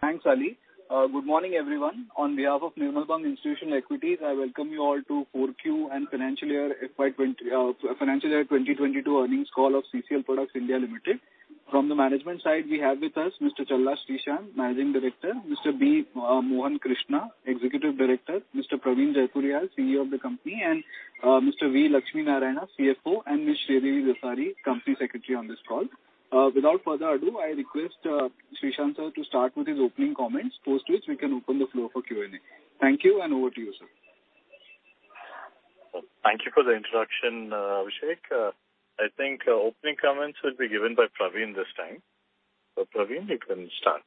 Thanks, Ali. Good morning, everyone. On behalf of Nirmal Bang Institutional Equities, I welcome you all to 4Q and Financial Year FY 2022 Earnings Call of CCL Products (India) Limited. From the management side, we have with us Mr. Challa Srishant, Managing Director, Mr. B. Mohan Krishna, Executive Director, Mr. Praveen Jaipuriar, CEO of the company, and Mr. V. Lakshmi Narayana, CFO, and Ms. Sridevi Dasari, Company Secretary on this call. Without further ado, I request Challa Srishant, sir to start with his opening comments. After which we can open the floor for Q&A. Thank you and over to you, sir. Thank you for the introduction, Abhishek. I think opening comments will be given by Praveen this time. Praveen, you can start.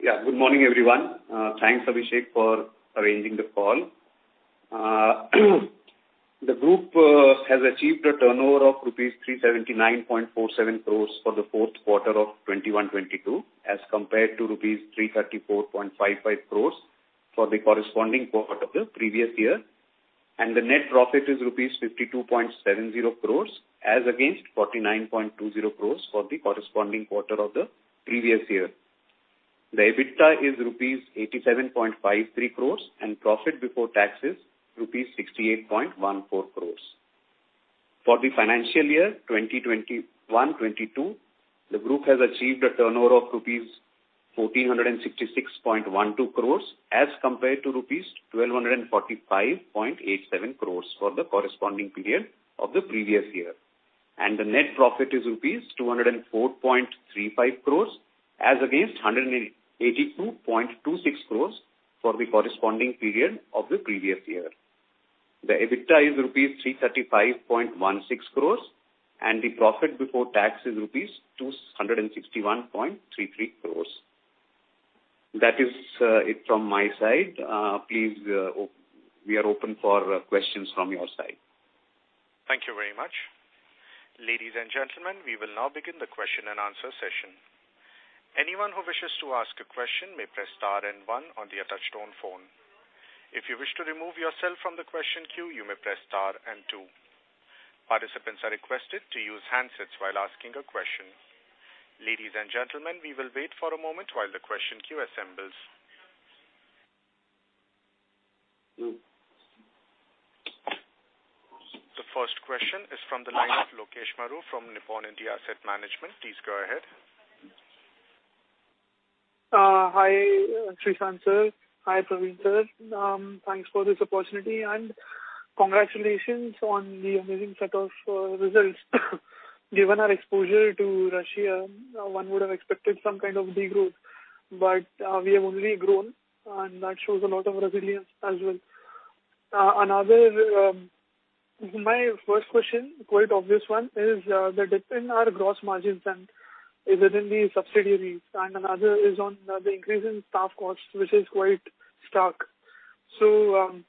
Yeah. Good morning, everyone. Thanks, Abhishek for arranging the call. The group has achieved a turnover of rupees 379.47 crore for the fourth quarter of 2021-22, as compared to rupees 334.55 crore for the corresponding quarter of the previous year. The net profit is rupees 52.70 crore as against 49.20 crore for the corresponding quarter of the previous year. The EBITDA is rupees 87.53 crore, and profit before tax is rupees 68.14 crore. For the financial year 2021-2022, the group has achieved a turnover of rupees 1,466.12 crore as compared to rupees 1,245.87 crore for the corresponding period of the previous year. The net profit is rupees 204.35 crore as against 182.26 crore for the corresponding period of the previous year. The EBITDA is rupees 335.16 crore, and the profit before tax is rupees 261.33 crore. That is it from my side. Please, we are open for questions from your side. Thank you very much. Ladies and gentlemen, we will now begin the question and answer session. Anyone who wishes to ask a question may press star and one on their touchtone phone. If you wish to remove yourself from the question queue, you may press star and two. Participants are requested to use handsets while asking a question. Ladies and gentlemen, we will wait for a moment while the question queue assembles. The first question is from the line of Lokesh Maru from Nippon India Asset Management. Please go ahead. Hi, Srishant sir. Hi, Praveen sir. Thanks for this opportunity, and congratulations on the amazing set of results. Given our exposure to Russia, one would have expected some kind of degrowth, but we have only grown, and that shows a lot of resilience as well. Another, my first question, quite obvious one, is the dip in our gross margins and within the subsidiaries, and another is on the increase in staff costs, which is quite stark.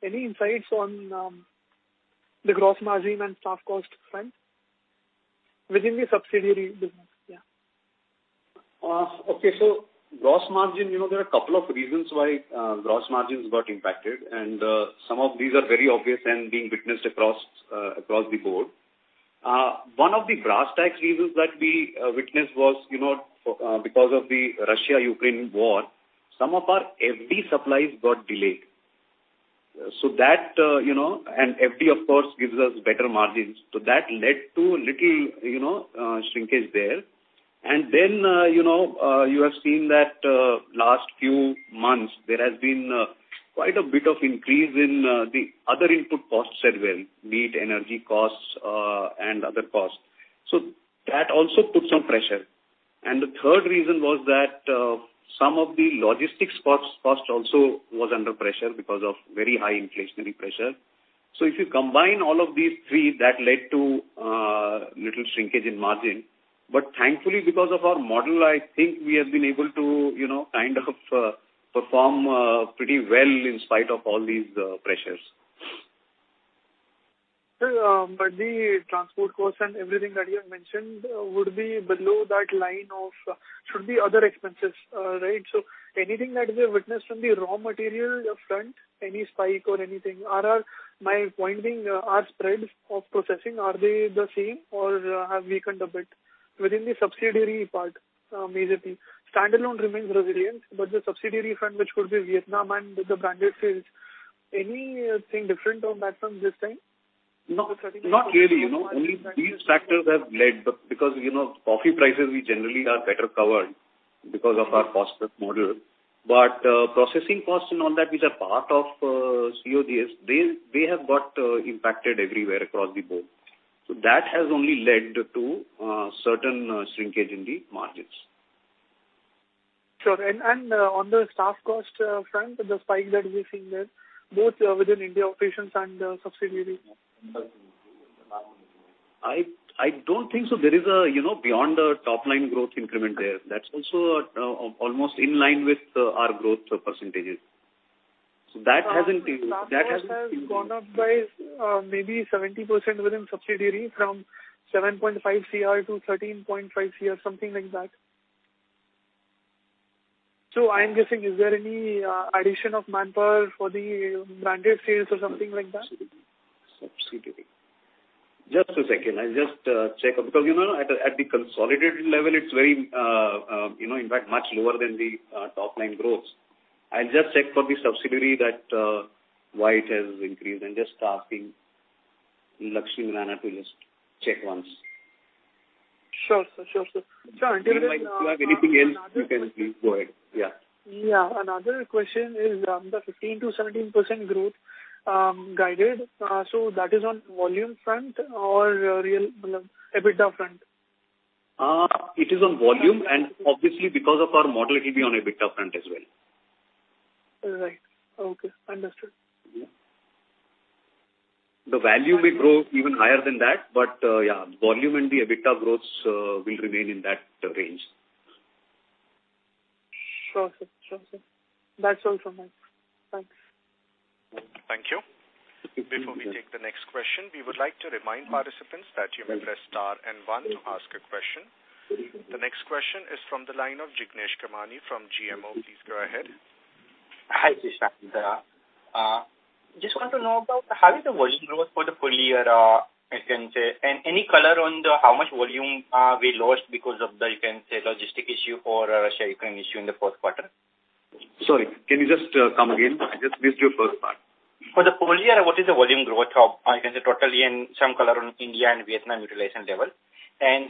Any insights on the gross margin and staff cost front within the subsidiary business? Yeah. Okay. Gross margin, you know, there are a couple of reasons why gross margins got impacted, and some of these are very obvious and being witnessed across across the board. One of the brass tacks reasons that we witnessed was, you know, because of the Russia-Ukraine war, some of our FD supplies got delayed. That, you know, and FD of course gives us better margins. That led to little, you know, shrinkage there. You have seen that last few months there has been quite a bit of increase in the other input costs as well, be it energy costs and other costs. That also put some pressure. The third reason was that, some of the logistics costs, cost also was under pressure because of very high inflationary pressure. If you combine all of these three, that led to, little shrinkage in margin. Thankfully, because of our model, I think we have been able to, you know, kind of, perform, pretty well in spite of all these, pressures. Sir, the transport costs and everything that you have mentioned would be below the line or should be other expenses, right? Anything that we have witnessed on the raw material front, any spike or anything. My point being, are spreads of processing the same or have they weakened a bit within the subsidiary part, majorly? Standalone remains resilient, the subsidiary front which could be Vietnam and the branded sales, anything different on that front this time? No, not really. You know, only these factors have led because, you know, coffee prices we generally are better covered because of our cost-plus model. Processing costs and all that which are part of COGS, they have got impacted everywhere across the board. That has only led to certain shrinkage in the margins. Sure. On the staff cost front, the spike that we're seeing there, both within India operations and subsidiaries. I don't think so. There is, you know, beyond the top line growth increment there. That's also almost in line with our growth percentages. That hasn't- Staff cost has gone up by maybe 70% within subsidiary from 7.5 crore to 13.5 crore, something like that. I am guessing, is there any addition of manpower for the branded sales or something like that? Subsidiary. Just a second. I'll just check. Because, you know, at the consolidated level, it's very, you know, in fact, much lower than the top-line growth. I'll just check for the subsidiary that why it has increased. I'm just asking Lakshmi Narayana to just check once. Sure, sir. Until then. If you have anything else, you can please go ahead. Yeah. Yeah. Another question is, the 15%-17% growth guided, so that is on volume front or real EBITDA front? It is on volume, and obviously because of our model, it'll be on EBITDA front as well. Right. Okay. Understood. Yeah. The value may grow even higher than that, but yeah, volume and the EBITDA growth will remain in that range. Sure, sir. That's all from me. Thanks. Thank you. Before we take the next question, we would like to remind participants that you may press star and one to ask a question. The next question is from the line of Jignesh Kamani from GMO. Please go ahead. Hi, Srishant. Just want to know about how is the volume growth for the full year, you can say, and any color on the how much volume we lost because of the, you can say, logistics issue or Russia-Ukraine issue in the fourth quarter? Sorry, can you just come again? I just missed your first part. For the full year, what is the volume growth of, you can say, total and some color on India and Vietnam utilization level.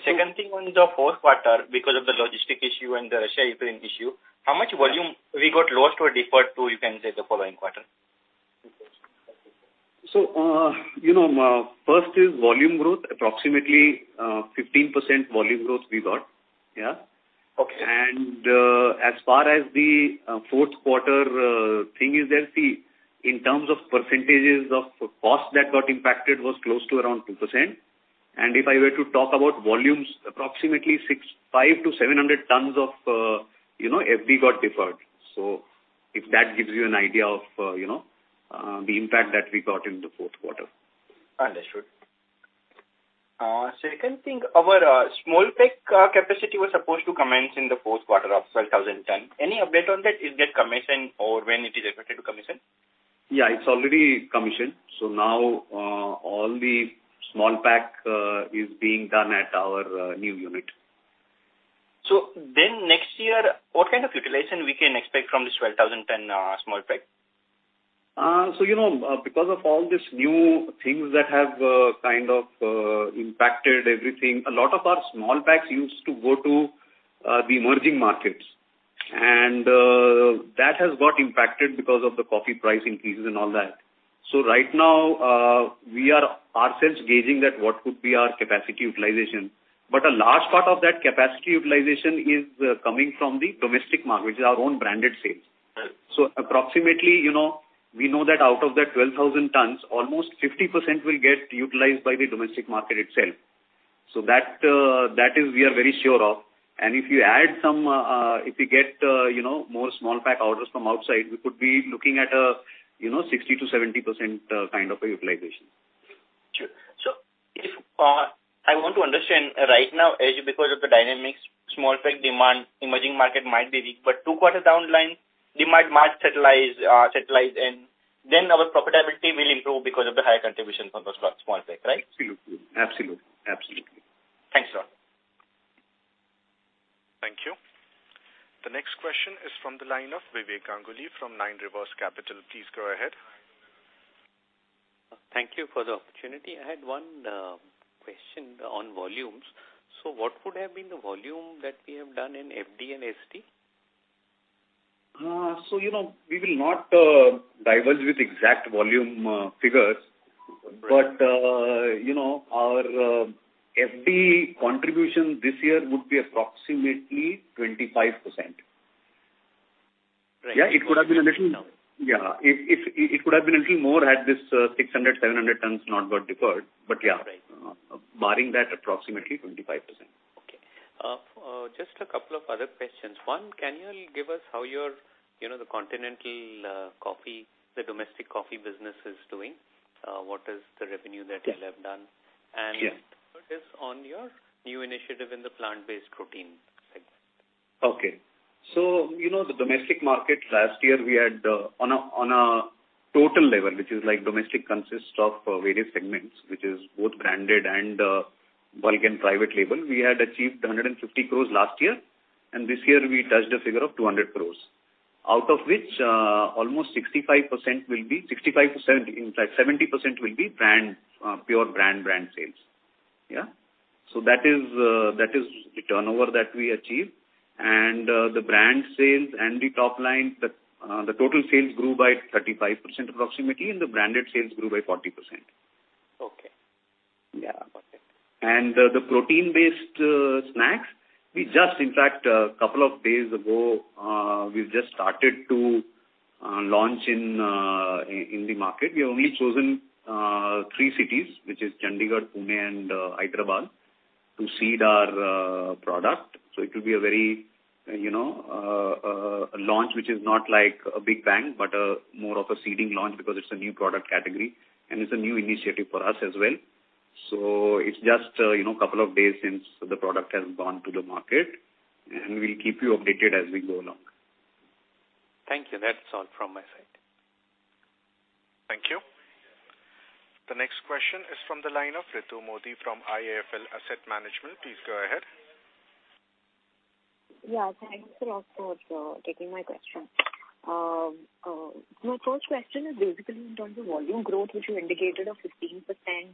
Second thing, on the fourth quarter, because of the logistics issue and the Russia-Ukraine issue, how much volume we lost or deferred to, you can say, the following quarter? You know, first is volume growth. Approximately, 15% volume growth we got. Yeah. Okay. As far as the fourth quarter thing is that, see, in terms of percentages of cost that got impacted was close to around 2%. If I were to talk about volumes, approximately 500-700 tons of, you know, FD got deferred. If that gives you an idea of, you know, the impact that we got in the fourth quarter. Understood. Second thing, our small pack capacity was supposed to commence in the fourth quarter, 12,000 tons. Any update on that? Is that commissioned or when it is expected to commission? Yeah, it's already commissioned. Now, all the small pack is being done at our new unit. Next year, what kind of utilization we can expect from this 12,000-ton small pack? You know, because of all these new things that have kind of impacted everything, a lot of our small packs used to go to the emerging markets. That has got impacted because of the coffee price increases and all that. Right now, we are ourselves gauging that what could be our capacity utilization. A large part of that capacity utilization is coming from the domestic market, which is our own branded sales. Right. Approximately, you know, we know that out of that 12,000 tons, almost 50% will get utilized by the domestic market itself. That is what we are very sure of. If you get, you know, more small pack orders from outside, we could be looking at a, you know, 60%-70% kind of a utilization. Sure. If I want to understand right now, because of the dynamics, small pack demand, emerging market might be weak, but two quarters down the line, demand might stabilize and then our profitability will improve because of the higher contribution from the small pack, right? Absolutely. Thanks, sir. Thank you. The next question is from the line of Vivek Ganguly from Nine Rivers Capital. Please go ahead. Thank you for the opportunity. I had one question on volumes. What would have been the volume that we have done in FD and SD? You know, we will not diverge with exact volume figures. Right. you know, our FD contribution this year would be approximately 25%. Right. Yeah. It could have been a little more had this 600-700 tons not got deferred. But yeah. Right. Barring that, approximately 25%. Okay. Just a couple of other questions. One, can you give us how your, you know, the Continental coffee, the domestic coffee business is doing? What is the revenue that you'll have done? Yeah. Second is on your new initiative in the plant-based protein segment. Okay. You know, the domestic market last year we had, on a total level, which is like domestic consists of various segments, which is both branded and bulk and private label. We had achieved 150 crores last year, and this year we touched a figure of 200 crores. Out of which, almost 65% will be 65%-70%, in fact 70% will be brand, pure brand sales. Yeah? That is the turnover that we achieved. The brand sales and the top line, the total sales grew by 35% approximately, and the branded sales grew by 40%. Okay. Yeah. Got it. The protein-based snacks, we just, in fact, a couple of days ago, we've just started to launch in the market. We have only chosen three cities, which is Chandigarh, Pune and Hyderabad to seed our product. It will be a very, you know, a launch which is not like a big bang, but more of a seeding launch because it's a new product category and it's a new initiative for us as well. It's just, you know, a couple of days since the product has gone to the market, and we'll keep you updated as we go along. Thank you. That's all from my side. Thank you. The next question is from the line of Ritu Modi from IIFL Asset Management. Please go ahead. Yeah. Thanks a lot for taking my question. My first question is basically in terms of volume growth, which you indicated of 15%.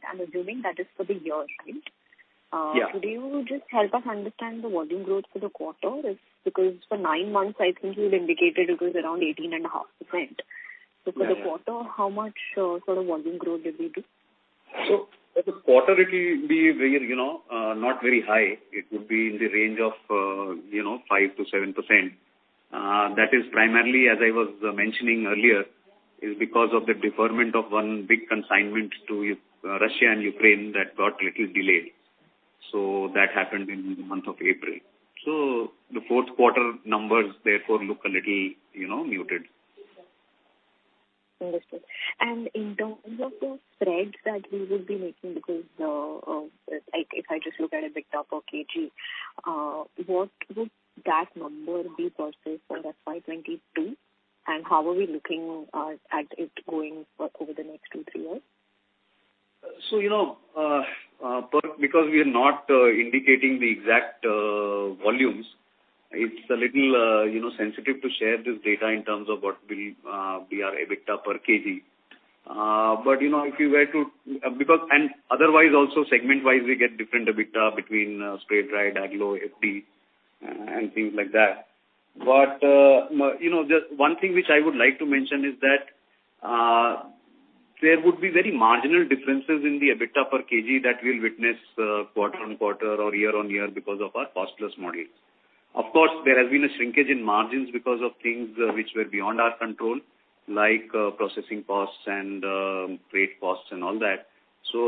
I'm assuming that is for the year, right? Yeah. Could you just help us understand the volume growth for the quarter? It's because for nine months, I think you had indicated it was around 18.5%. Yeah. For the quarter, how much, sort of volume growth did we do? For the quarter, it will be very, you know, not very high. It would be in the range of, you know, 5%-7%. That is primarily, as I was mentioning earlier, is because of the deferment of one big consignment to, Russia and Ukraine that got little delayed. That happened in the month of April. The fourth quarter numbers therefore look a little, you know, muted. Understood. In terms of the spreads that we would be making because, like if I just look at EBITDA per kg, what would that number be for say, for FY 2022, and how are we looking at it going for over the next two, three years? You know, but because we are not indicating the exact volumes, it's a little, you know, sensitive to share this data in terms of what will be our EBITDA per kg. You know, if you were to because and otherwise also segment-wise, we get different EBITDA between spray dried, agglomerated, FD, and things like that. You know, just one thing which I would like to mention is that there would be very marginal differences in the EBITDA per kg that we'll witness quarter-on-quarter or year-on-year because of our cost-plus model. Of course, there has been a shrinkage in margins because of things which were beyond our control, like processing costs and freight costs and all that.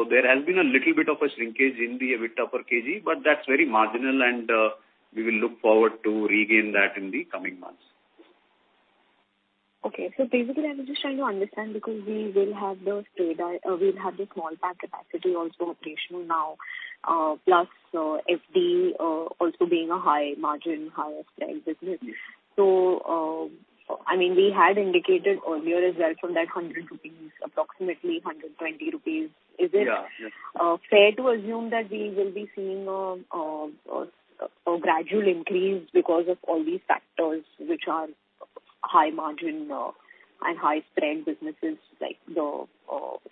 There has been a little bit of a shrinkage in the EBITDA per kg, but that's very marginal and we will look forward to regain that in the coming months. Okay. Basically, I was just trying to understand because we will have the spray dried, we'll have the small pack capacity also operational now, plus, FD, also being a high margin, high spread business. I mean, we had indicated earlier as well from that 100 rupees, approximately 120 rupees. Yeah. Is it fair to assume that we will be seeing a gradual increase because of all these factors which are high margin and high spread businesses like the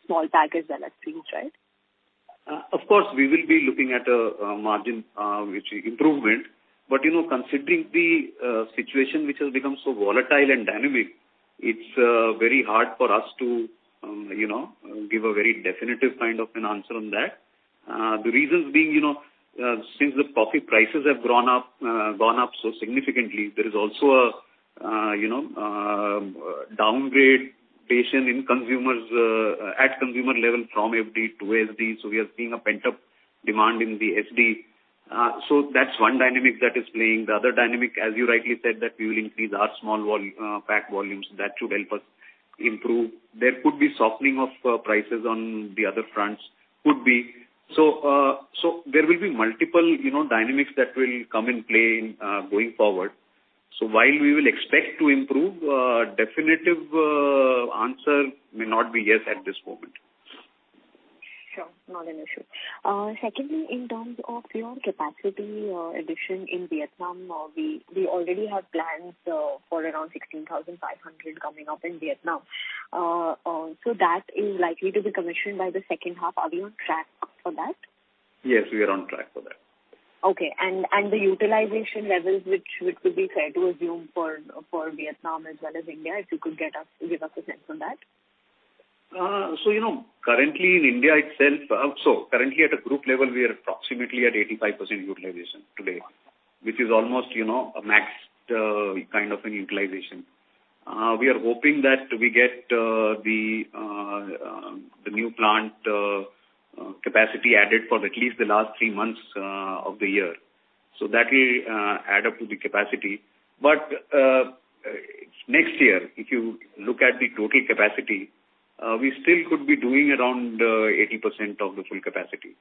small package as well as rigs, right? Of course, we will be looking at a margin improvement. You know, considering the situation which has become so volatile and dynamic, it's very hard for us to, you know, give a very definitive kind of an answer on that. The reasons being, you know, since the coffee prices have gone up so significantly, there is also a down-trading in consumers at consumer level from FD to SD. We are seeing a pent-up demand in the SD. That's one dynamic that is playing. The other dynamic, as you rightly said, that we will increase our small pack volumes. That should help us improve. There could be softening of prices on the other fronts. Could be. There will be multiple, you know, dynamics that will come in play in, going forward. While we will expect to improve, definitive answer may not be yes at this moment. Sure. Not an issue. Secondly, in terms of your capacity addition in Vietnam, we already have plans for around 16,500 coming up in Vietnam. That is likely to be commissioned by the second half. Are we on track for that? Yes, we are on track for that. The utilization levels which would be fair to assume for Vietnam as well as India, if you could give us a sense on that? You know, currently in India itself, so currently at a group level, we are approximately at 85% utilization today. Okay. Which is almost, you know, a maxed kind of an utilization. We are hoping that we get the new plant capacity added for at least the last three months of the year. That will add up to the capacity. Next year, if you look at the total capacity, we still could be doing around 80% of the full capacity.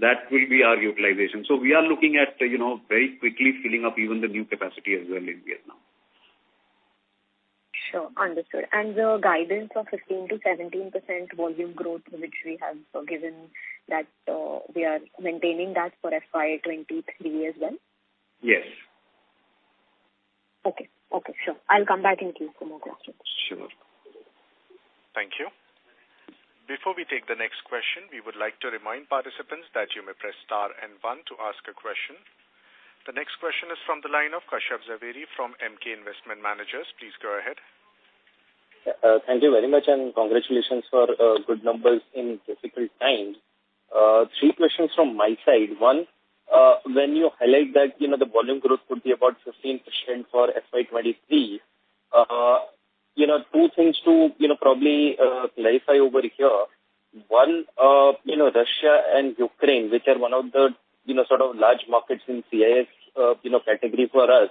That will be our utilization. We are looking at, you know, very quickly filling up even the new capacity as well in Vietnam. Sure. Understood. The guidance of 15%-17% volume growth which we have given that, we are maintaining that for FY 2023 as well? Yes. Okay. Okay, sure. I'll come back in queue for more questions. Sure. Thank you. Before we take the next question, we would like to remind participants that you may press star and one to ask a question. The next question is from the line of Kashyap Javeri from Emkay Investment Managers. Please go ahead. Thank you very much, and congratulations for good numbers in difficult times. Three questions from my side. One, when you highlight that, you know, the volume growth could be about 15% for FY 2023, you know, two things to, you know, probably clarify over here. One, you know, Russia and Ukraine, which are one of the, you know, sort of large markets in CIS, you know, category for us,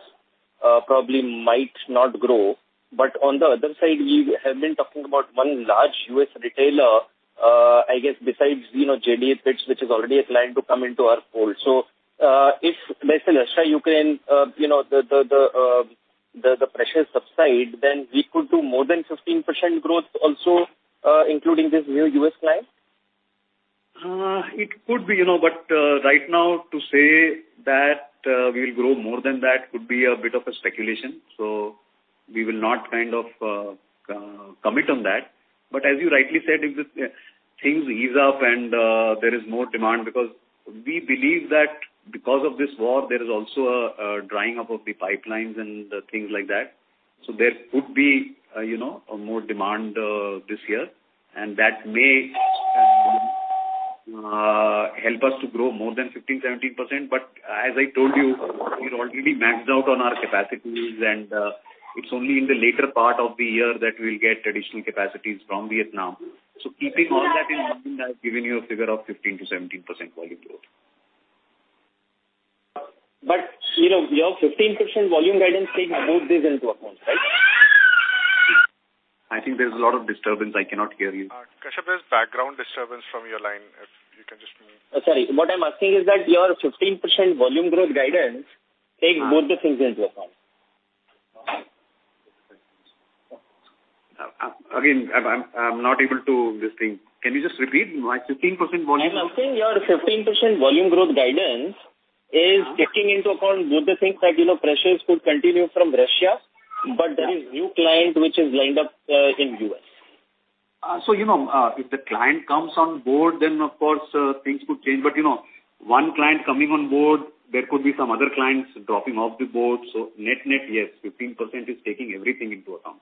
probably might not grow. On the other side, we have been talking about one large US retailer, I guess besides, you know, JDE Peet's, which is already a client to come into our fold. If let's say Russia-Ukraine, you know, the pressures subside, then we could do more than 15% growth also, including this new US client? It could be, you know. Right now to say that we'll grow more than that could be a bit of a speculation. We will not kind of commit on that. As you rightly said, if the things ease up and there is more demand because we believe that because of this war, there is also a drying up of the pipelines and things like that. There could be, you know, a more demand this year, and that may help us to grow more than 15%-17%. As I told you, we're already maxed out on our capacities, and it's only in the later part of the year that we'll get additional capacities from Vietnam. Keeping all that in mind, I've given you a figure of 15%-17% volume growth. You know, your 15% volume guidance takes both these into account, right? I think there's a lot of disturbance. I cannot hear you. Kashyap, there's background disturbance from your line, if you can just mute. Sorry. What I'm asking is that your 15% volume growth guidance takes both the things into account. Again, I'm not able to. This thing. Can you just repeat? My 15% volume. I'm asking your 15% volume growth guidance is taking into account both the things that, you know, pressures could continue from Russia, but there is new client which is lined up in U.S. You know, if the client comes on board then of course, things could change. You know, one client coming on board, there could be some other clients dropping off the board. Net, yes, 15% is taking everything into account.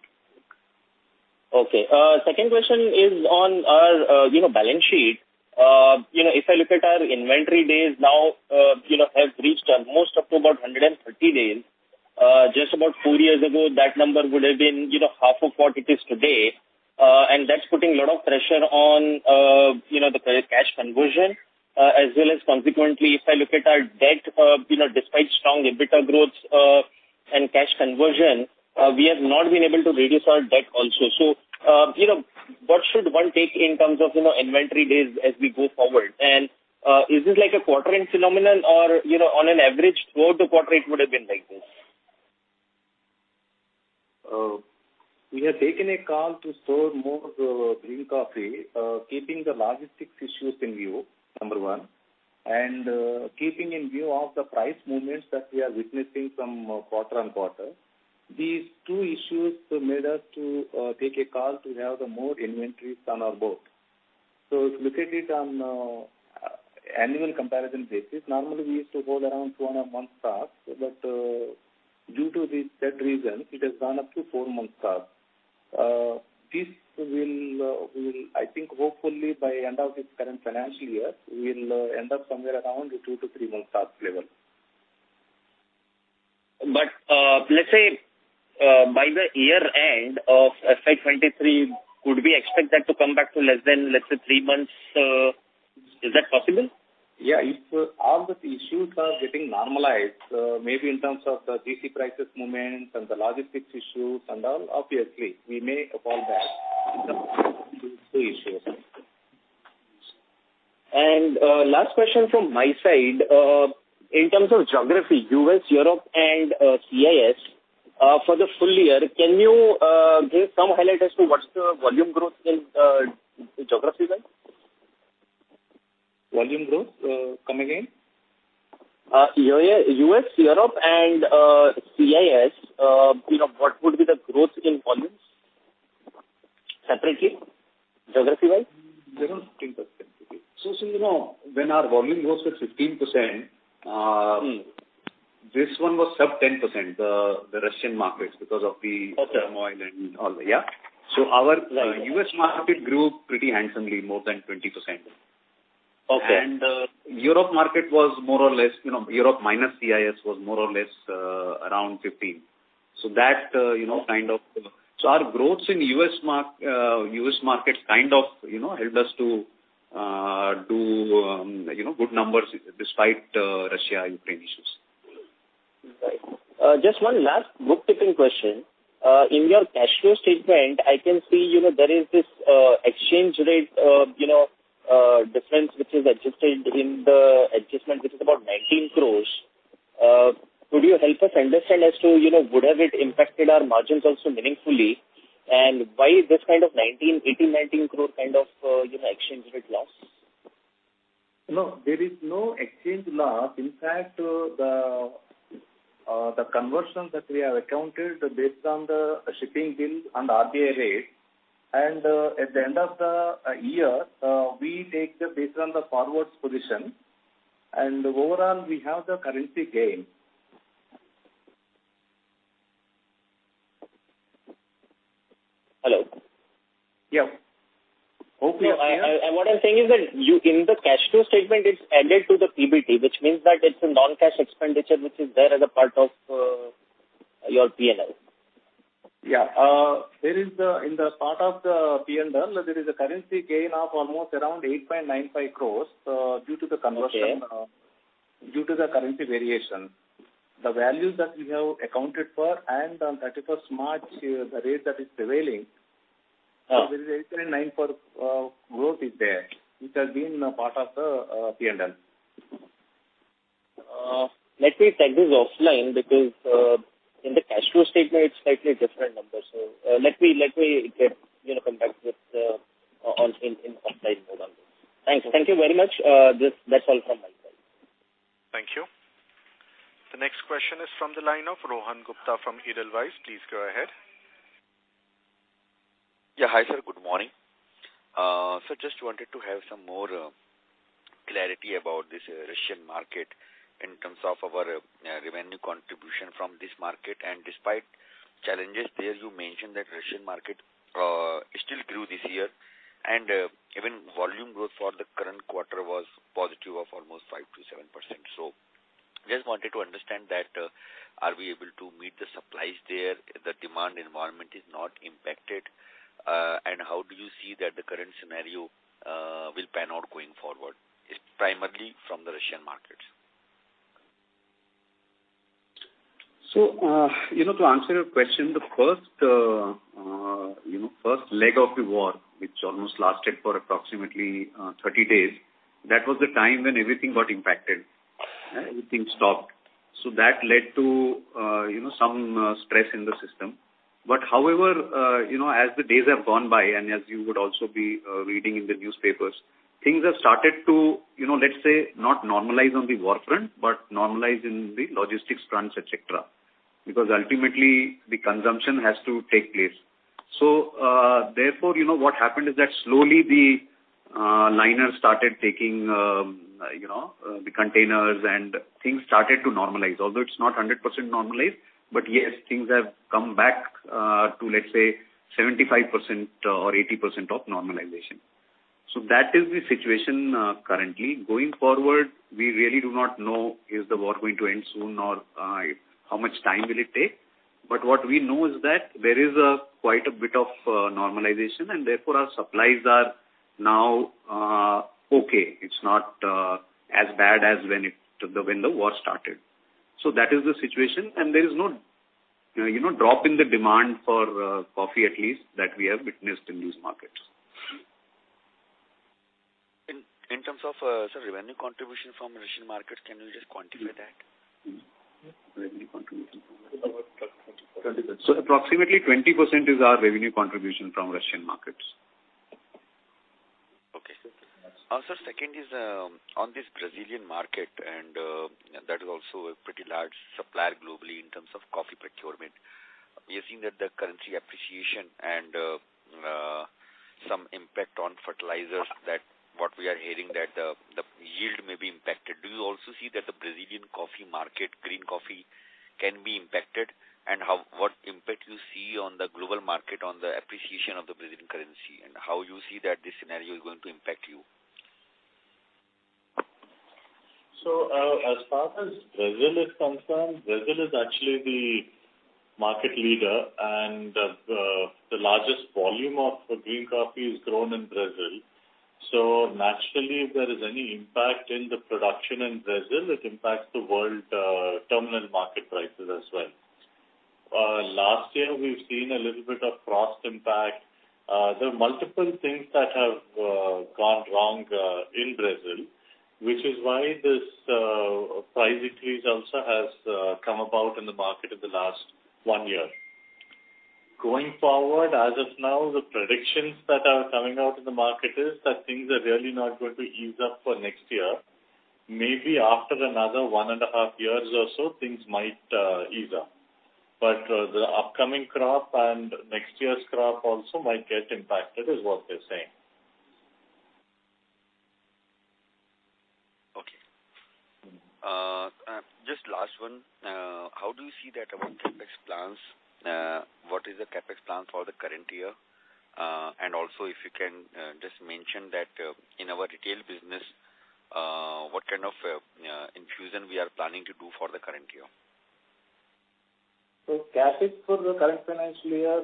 Okay. Second question is on our, you know, balance sheet. You know, if I look at our inventory days now, you know, have reached almost up to about 130 days. Just about four years ago, that number would have been, you know, half of what it is today. And that's putting a lot of pressure on, you know, the cash conversion, as well as consequently, if I look at our debt, you know, despite strong EBITDA growth, and cash conversion, we have not been able to reduce our debt also. So, you know, what should one take in terms of, you know, inventory days as we go forward? And, is this like a quarter end phenomenon or, you know, on an average quarter to quarter it would have been like this? We have taken a call to store more green coffee, keeping the logistics issues in view, number one, and keeping in view of the price movements that we are witnessing from quarter to quarter. These two issues made us to take a call to have the more inventories on our books. If you look at it on annual comparison basis, normally we used to hold around two and a half months stocks, but due to these said reasons, it has gone up to four months stock. This will, I think hopefully by end of this current financial year, we'll end up somewhere around 2-3 months stock level. Let's say, by the year end of FY 2023, could we expect that to come back to less than, let's say, three months? Is that possible? Yeah. If all the issues are getting normalized, maybe in terms of the GC prices movements and the logistics issues and all, obviously we may fall back to two issues. Last question from my side. In terms of geography, U.S., Europe and CIS, for the full year, can you give some highlight as to what's the volume growth in geography wise? Volume growth? Come again. U.S., Europe and CIS, you know, what would be the growth in volumes separately, geography wise? They're on 15%. You know, when our volume grows to 15%, Mm. This one was sub-10%, the Russian markets because of the Okay. turmoil and all. Yeah. Our Right. U.S. market grew pretty handsomely, more than 20%. Okay. Europe market was more or less, you know, Europe minus CIS was more or less around 15%. Our growth in U.S. market kind of, you know, helped us to do, you know, good numbers despite Russia-Ukraine issues. Right. Just one last nitpicking question. In your cash flow statement, I can see, you know, there is this exchange rate difference which is adjusted in the adjustment, which is about 19 crores. Could you help us understand as to, you know, would have it impacted our margins also meaningfully? And why this kind of 19, 18, 19 crore kind of, you know, exchange rate loss? No, there is no exchange loss. In fact, the conversions that we have accounted based on the shipping bill and RBI rate, and at the end of the year, we take them based on the forwards position, and overall, we have the currency gain. Hello? Yeah. Hope you are there. What I'm saying is that you, in the cash flow statement, it's added to the PBT, which means that it's a non-cash expenditure which is there as a part of, your P&L. In the part of the P&L, there is a currency gain of almost around 8.95 crores due to the conversion. Okay. Due to the currency variation. The values that we have accounted for as on 31st March, the rate that is prevailing. Oh. There is 9% growth is there, which has been a part of the P&L. Let me take this offline because in the cash flow statement it's slightly different numbers. Let me get, you know, come back with on in compliance with all this. Thanks. Thank you very much. That's all from my side. Thank you. The next question is from the line of Rohan Gupta from Edelweiss. Please go ahead. Yeah. Hi, sir. Good morning. Just wanted to have some more clarity about this Russian market in terms of our revenue contribution from this market. Despite challenges there, you mentioned that Russian market still grew this year. Even volume growth for the current quarter was positive of almost 5%-7%. Just wanted to understand that, are we able to meet the supplies there, the demand environment is not impacted? How do you see that the current scenario will pan out going forward, primarily from the Russian markets? To answer your question, the first leg of the war, which almost lasted for approximately 30 days, that was the time when everything got impacted. Everything stopped. That led to some stress in the system. However, as the days have gone by, and as you would also be reading in the newspapers, things have started to, let's say, not normalize on the war front, but normalize in the logistics fronts, etc., because ultimately the consumption has to take place. Therefore, what happened is that slowly the liners started taking the containers and things started to normalize. Although it's not 100% normalized, but yes, things have come back to, let's say, 75% or 80% of normalization. That is the situation currently. Going forward, we really do not know is the war going to end soon or how much time will it take. But what we know is that there is quite a bit of normalization and therefore our supplies are now okay. It's not as bad as when the war started. That is the situation. There is no, you know, drop in the demand for coffee at least that we have witnessed in these markets. In terms of, sir, revenue contribution from Russian markets, can you just quantify that? Revenue contribution from Russian markets. About 20%. Approximately 20% is our revenue contribution from Russian markets. Okay. Sir, second is on this Brazilian market, and that is also a pretty large supplier globally in terms of coffee procurement. You're seeing that the currency appreciation and some impact on fertilizers that what we are hearing that the yield may be impacted. Do you also see that the Brazilian coffee market, green coffee, can be impacted? And what impact you see on the global market on the appreciation of the Brazilian currency, and how you see that this scenario is going to impact you? As far as Brazil is concerned, Brazil is actually the market leader and the largest volume of green coffee is grown in Brazil. Naturally, if there is any impact in the production in Brazil, it impacts the world terminal market prices as well. Last year we've seen a little bit of frost impact. There are multiple things that have gone wrong in Brazil, which is why this price increase also has come about in the market in the last year. Going forward, as of now, the predictions that are coming out in the market is that things are really not going to ease up for next year. Maybe after another one and a half years or so, things might ease up. The upcoming crop and next year's crop also might get impacted, is what they're saying. Okay. Just last one. How do you see that our CapEx plans, what is the CapEx plan for the current year? Also if you can, just mention that, in our retail business, what kind of infusion we are planning to do for the current year? CapEx for the current financial year,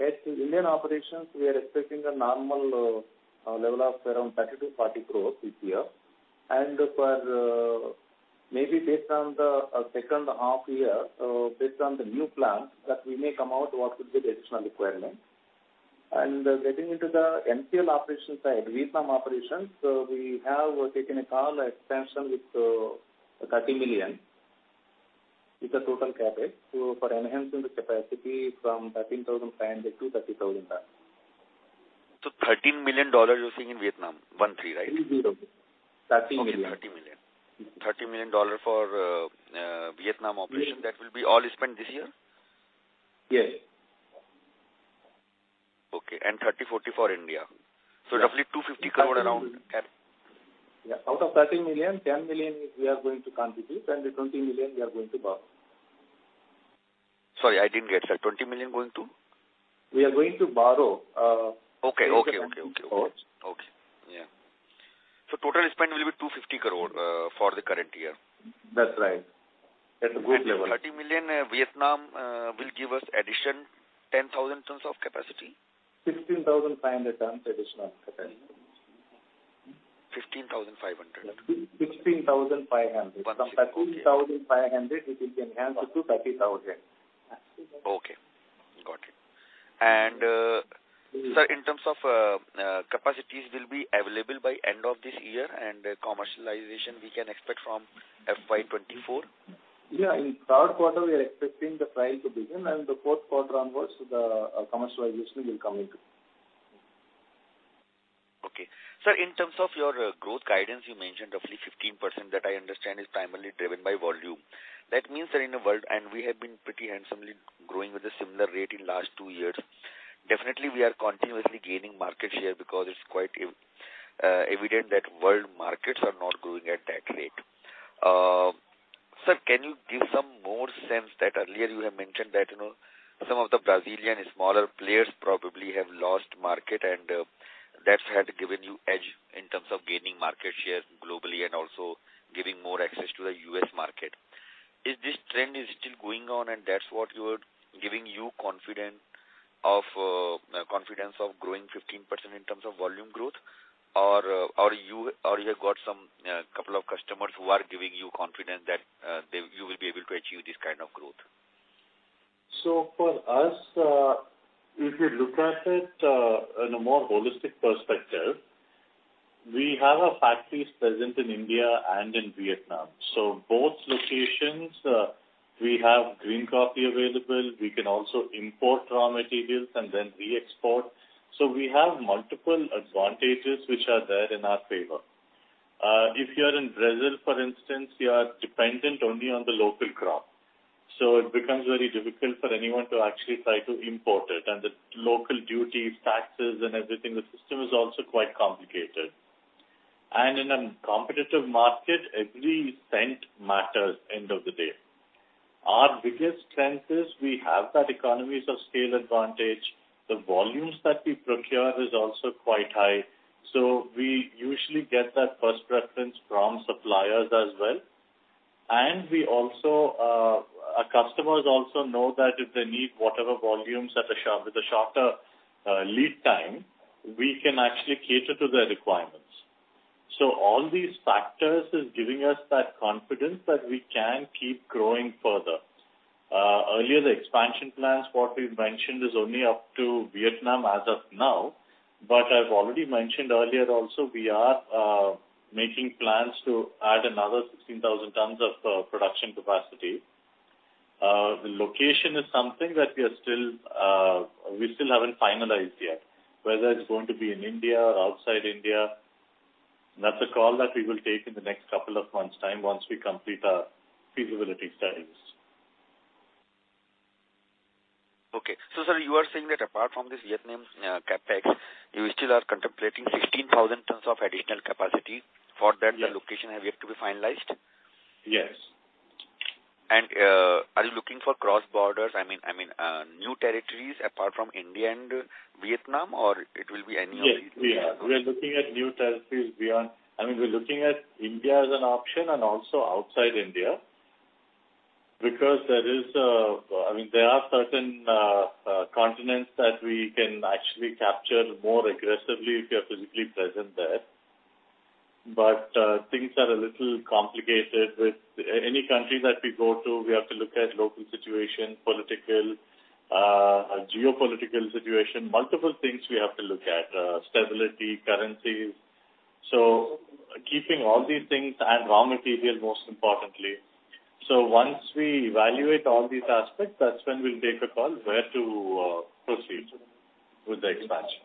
at Indian operations, we are expecting a normal level of around 30-40 crores this year. For maybe based on the second half year, based on the new plans that we may come out, what would be the additional requirement. Getting into the Ngon operation side, Vietnam operations, we have taken a call expansion with $30 million is the total CapEx. For enhancing the capacity from 13,500 to 30,000 tons. $13 million you're seeing in Vietnam. 13, right? 30.13 million. Okay, $30 million. $30 million for Vietnam operation. Mm-hmm. That will be all spent this year? Yes. Okay. 30-40 for India. Yes. Roughly 250 crore around CapEx. Yeah. Out of 13 million, 10 million we are going to contribute, and the 20 million we are going to borrow. Sorry, I didn't get that. 20 million going to? We are going to borrow. Okay. from different sources. Okay. Yeah. Total spend will be 250 crore for the current year. That's right. At a good level. $30 million, Vietnam, will give us addition 10,000 tons of capacity? 16,500 tons additional capacity. 15,500. INR 16,500. 160 From 10,500, it will enhance to 30,000. Okay. Got it. Sir, in terms of capacities will be available by end of this year and commercialization we can expect from FY 2024? Yeah, in third quarter we are expecting the trial to begin, and the fourth quarter onwards, the commercialization will come into. Okay. Sir, in terms of your growth guidance, you mentioned roughly 15%. That I understand is primarily driven by volume. That means that in a world, and we have been pretty handsomely growing with a similar rate in last two years, definitely we are continuously gaining market share because it's quite evident that world markets are not growing at that rate. Sir, can you give some more sense that earlier you have mentioned that, you know, some of the Brazilian smaller players probably have lost market and, that had given you edge in terms of gaining market share globally and also giving more access to the US market. Is this trend still going on and that's what you're giving you confident of, confidence of growing 15% in terms of volume growth? You have got some couple of customers who are giving you confidence that you will be able to achieve this kind of growth? For us, if you look at it, in a more holistic perspective, we have our factories present in India and in Vietnam. Both locations, we have green coffee available. We can also import raw materials and then re-export. We have multiple advantages which are there in our favor. If you are in Brazil, for instance, you are dependent only on the local crop. It becomes very difficult for anyone to actually try to import it. The local duties, taxes and everything, the system is also quite complicated. In a competitive market, every cent matters end of the day. Our biggest strength is we have that economies of scale advantage. The volumes that we procure is also quite high. We usually get that first preference from suppliers as well. Our customers also know that if they need whatever volumes with a shorter lead time, we can actually cater to their requirements. All these factors is giving us that confidence that we can keep growing further. Earlier, the expansion plans, what we've mentioned, is only up to Vietnam as of now. I've already mentioned earlier also, we are making plans to add another 16,000 tons of production capacity. The location is something that we still haven't finalized yet. Whether it's going to be in India or outside India, that's a call that we will take in the next couple of months' time once we complete our feasibility studies. Okay. Sir, you are saying that apart from this Vietnam CapEx, you still are contemplating 16,000 tons of additional capacity. For that- Yeah. The location has yet to be finalized? Yes. Are you looking for cross-border? I mean, new territories apart from India and Vietnam, or it will be any of these two? Yes, we are. We are looking at new territories beyond. I mean, we're looking at India as an option and also outside India because there is, I mean, there are certain continents that we can actually capture more aggressively if you are physically present there. Things are a little complicated with any country that we go to, we have to look at local situation, political, geopolitical situation, multiple things we have to look at, stability, currencies. Keeping all these things and raw material, most importantly. Once we evaluate all these aspects, that's when we'll take a call where to proceed with the expansion.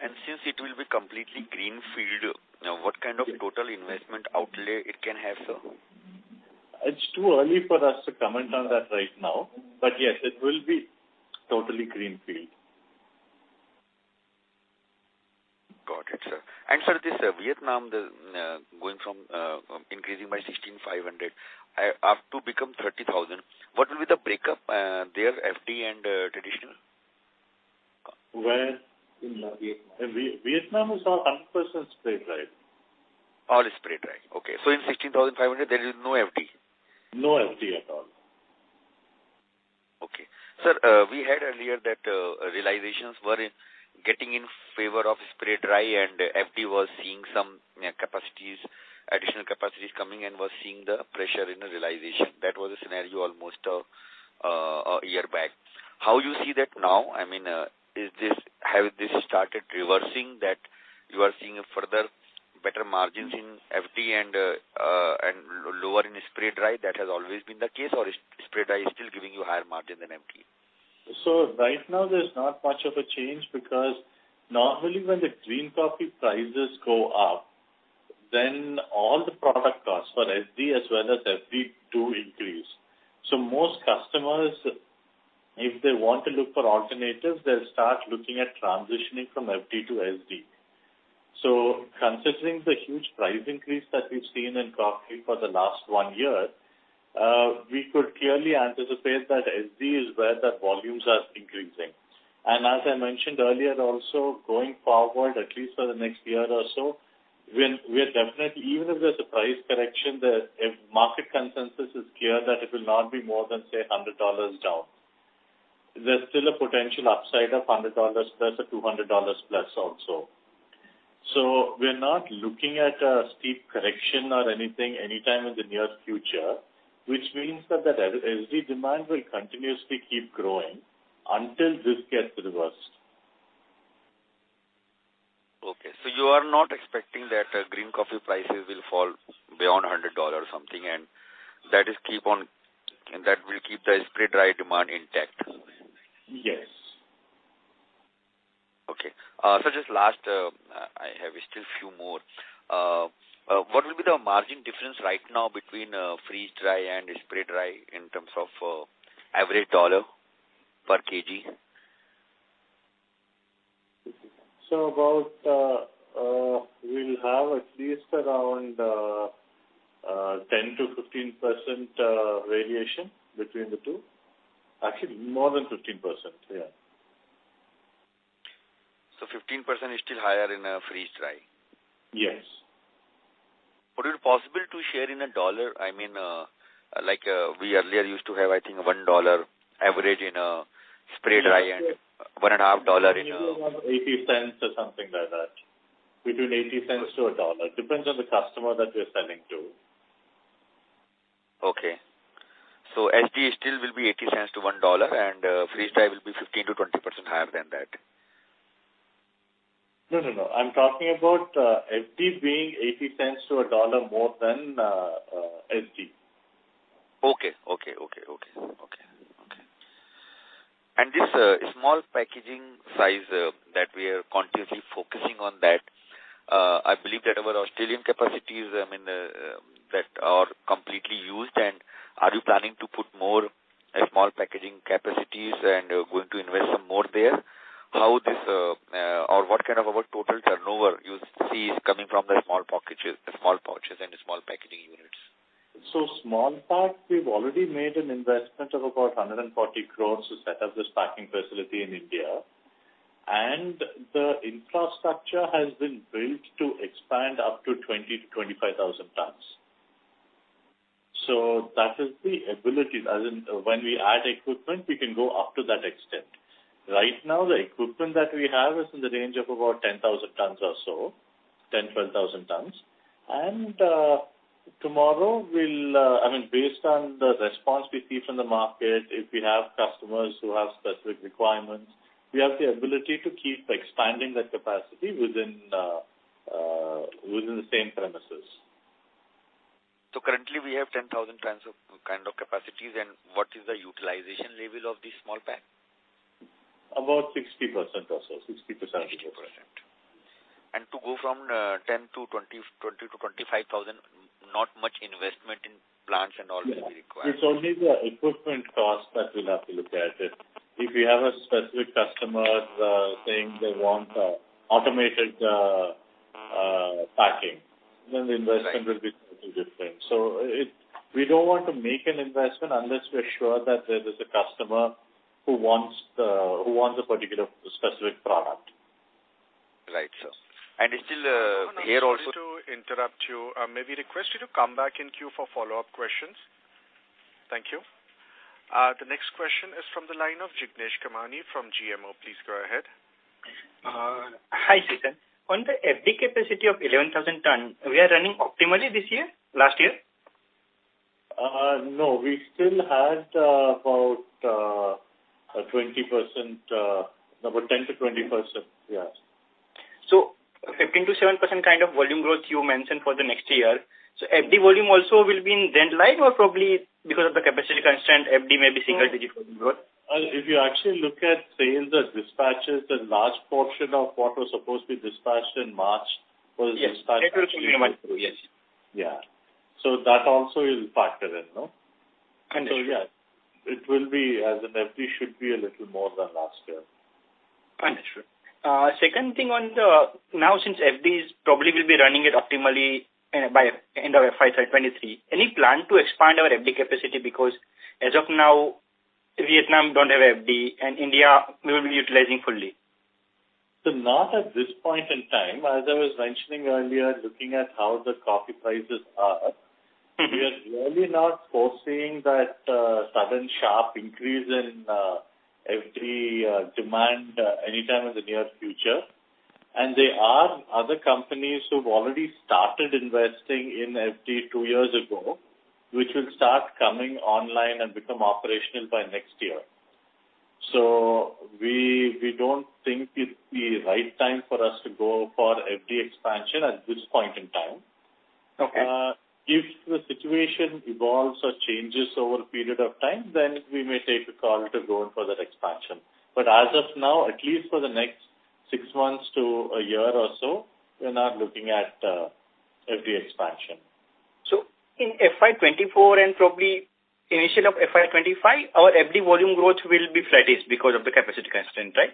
Since it will be completely greenfield, what kind of total investment outlay it can have, sir? It's too early for us to comment on that right now, but yes, it will be totally greenfield. Got it, sir. Sir, this Vietnam, the going from increasing by 16,500 up to become 30,000, what will be the breakup there, FD and traditional? Where? In Vietnam. In Vietnam is 100% spray dried. All is spray dried. Okay. In 16,500 there is no FD? No FD at all. Okay. Sir, we heard earlier that realizations were getting in favor of spray dried and FD was seeing some additional capacities coming and was seeing the pressure in the realization. That was a scenario almost a year back. How you see that now? I mean, is this, have this started reversing that you are seeing a further better margins in FD and lower in spray dried? That has always been the case. Or is spray dried still giving you higher margin than FD? Right now there's not much of a change because normally when the green coffee prices go up, then all the product costs for SD as well as FD too increase. Most customers, if they want to look for alternatives, they'll start looking at transitioning from FD to SD. Considering the huge price increase that we've seen in coffee for the last one year, we could clearly anticipate that SD is where the volumes are increasing. As I mentioned earlier also, going forward, at least for the next year or so, we're definitely even if there's a price correction, if market consensus is clear that it will not be more than, say, $100 down. There's still a potential upside of $100+ or $200+ also. We're not looking at a steep correction or anything anytime in the near future, which means that the SD demand will continuously keep growing until this gets reversed. You are not expecting that green coffee prices will fall beyond $100 something, and that will keep the spray-dried demand intact? Yes. Just last, I have still few more. What will be the margin difference right now between freeze-dried and spray dried in terms of average $ per kg? We'll have at least around 10%-15% variation between the two. Actually, more than 15%. Yeah. 15% is still higher in freeze-dried? Yes. Would it be possible to share in a dollar, I mean, like, we earlier used to have, I think $1 average in spray dried and $1.5 in, Maybe around $0.80 or something like that. Between $0.80-$1. Depends on the customer that we're selling to. Okay. SD still will be $0.80-$1, and freeze-dried will be 15%-20% higher than that? No, no. I'm talking about FD being $0.80-$1 more than SD. Okay. This small packaging size that we are continuously focusing on that, I believe that our Australian capacities, I mean, that are completely used. Are you planning to put more small packaging capacities and going to invest some more there? How this, or what kind of our total turnover you see is coming from the small packages, the small pouches and the small packaging units? Small packs, we've already made an investment of about 140 crore to set up this packing facility in India. The infrastructure has been built to expand up to 20,000 tons-25,000 tons. That is the ability. As in when we add equipment, we can go up to that extent. Right now, the equipment that we have is in the range of about 10,000 tons or so, 10,000 tons-12,000 tons. I mean, based on the response we see from the market, if we have customers who have specific requirements, we have the ability to keep expanding that capacity within the same premises. Currently, we have 10,000 tons of, kind of capacities, and what is the utilization level of the small pack? About 60% or so. 60% utilization. 60%. To go from 10 to 20 to 25,000, not much investment in plants and all will be required. Yeah. It's only the equipment cost that we'll have to look at. If we have a specific customer saying they want automated packing, then the investment will be totally different. We don't want to make an investment unless we're sure that there is a customer who wants a particular specific product. Right. It's still here also. Sorry to interrupt you. May we request you to come back in queue for follow-up questions? Thank you. The next question is from the line of Jignesh Kamani from GMO. Please go ahead. Hi, Challa Srishant. On the FD capacity of 11,000 tons, we are running optimally this year, last year? No, we still had about 20%, about 10%-20%. Yes. 15%-7% kind of volume growth you mentioned for the next year. FD volume also will be in line or probably because of the capacity constraint, FD may be single-digit volume growth? If you actually look at sales and dispatches, the large portion of what was supposed to be dispatched in March was dispatched in. Yes. It was really much. Yes. Yeah. That also is a factor in, no? Understood. Yeah, it will be as an FD should be a little more than last year. Understood. Second thing on the, now since FD is probably will be running it optimally, by end of FY 2023, any plan to expand our FD capacity? Because as of now, Vietnam don't have FD and India we will be utilizing fully. Not at this point in time. As I was mentioning earlier, looking at how the coffee prices are. Mm-hmm. We are really not foreseeing that, sudden sharp increase in, FD, demand, anytime in the near future. There are other companies who've already started investing in FD two years ago, which will start coming online and become operational by next year. We don't think it's the right time for us to go for FD expansion at this point in time. Okay. If the situation evolves or changes over a period of time, then we may take a call to go in for that expansion. As of now, at least for the next six months to a year or so, we're not looking at FD expansion. In FY 24 and probably initial of FY 25, our FD volume growth will be flattish because of the capacity constraint, right?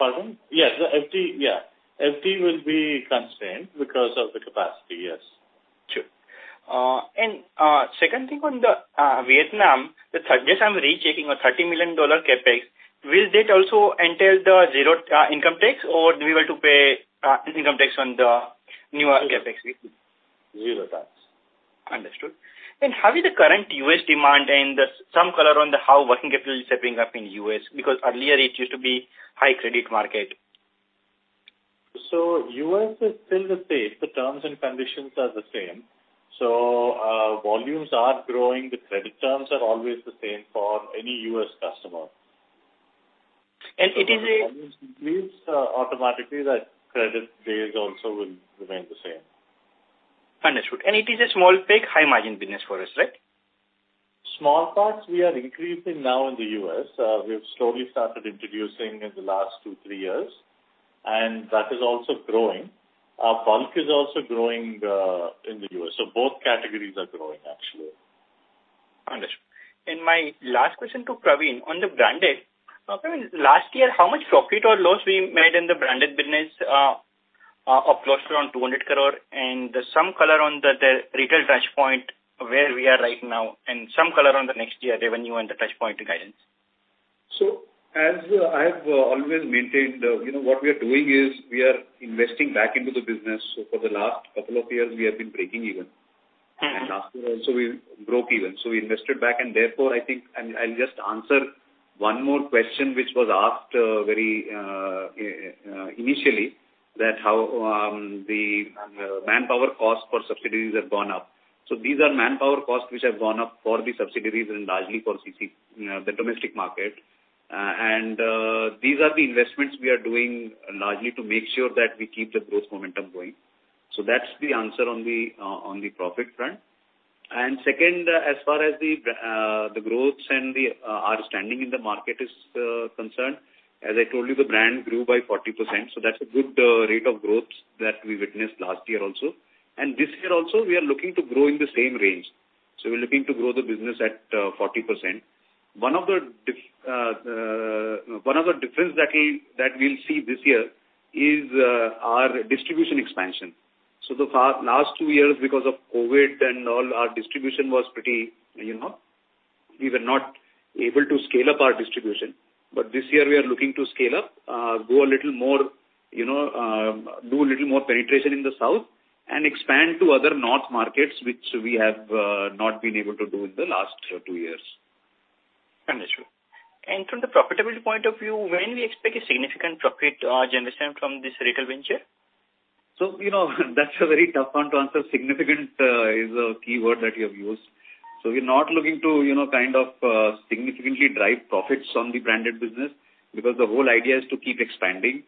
Pardon? Yes, the FD, yeah. FD will be constrained because of the capacity, yes. Sure. Second thing on the Vietnam, I'm rechecking on $30 million CapEx, will that also entail the zero income tax or we were to pay income tax on the newer CapEx? Zero tax. Understood. How is the current U.S. demand and some color on how working capital is shaping up in U.S., because earlier it used to be high credit market. U.S. is still the same. The terms and conditions are the same. Volumes are growing. The credit terms are always the same for any U.S. customer. It is. If volumes increase, automatically that credit days also will remain the same. Understood. It is a small pick, high margin business for us, right? Small packs we are increasing now in the US. We have slowly started introducing in the last 2-3 years, and that is also growing. Our bulk is also growing in the US. Both categories are growing actually. Understood. My last question to Praveen, on the branded. Praveen, last year, how much profit or loss we made in the branded business, of close to 200 crore and some color on the retail touch point where we are right now and some color on the next year revenue and the touch point guidance. As I've always maintained, you know, what we are doing is we are investing back into the business. For the last couple of years, we have been breaking even. Mm-hmm. Last year also we broke even. We invested back and therefore, I think. I'll just answer one more question which was asked very initially, that how the manpower costs for subsidiaries have gone up. These are manpower costs which have gone up for the subsidiaries and largely for CCL, the domestic market. These are the investments we are doing largely to make sure that we keep the growth momentum going. That's the answer on the profit front. Second, as far as the growth and our standing in the market is concerned, as I told you, the brand grew by 40%. That's a good rate of growth that we witnessed last year also. This year also, we are looking to grow in the same range. We're looking to grow the business at 40%. One of the differences that we'll see this year is our distribution expansion. Last two years, because of COVID and all, our distribution was pretty, you know, we were not able to scale up our distribution. But this year, we are looking to scale up, grow a little more, you know, do a little more penetration in the South and expand to other North markets, which we have not been able to do in the last two years. Understood. From the profitability point of view, when we expect a significant profit generation from this retail venture? You know that's a very tough one to answer. Significant is a key word that you have used. We're not looking to, you know, kind of, significantly drive profits on the branded business because the whole idea is to keep expanding.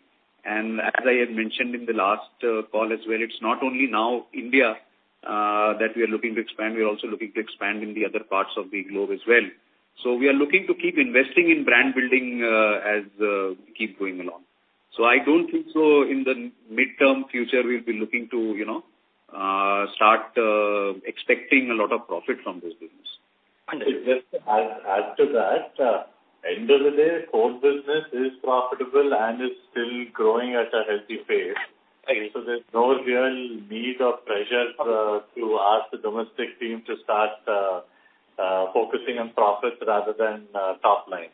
As I had mentioned in the last call as well, it's not only now India that we are looking to expand. We are also looking to expand in the other parts of the globe as well. We are looking to keep investing in brand building as we keep going along. I don't think so in the midterm future, we'll be looking to, you know, start expecting a lot of profit from this business. Understood. Just to add to that, end of the day, core business is profitable and is still growing at a healthy pace. Right. There's no real need or pressure to ask the domestic team to start focusing on profits rather than top line.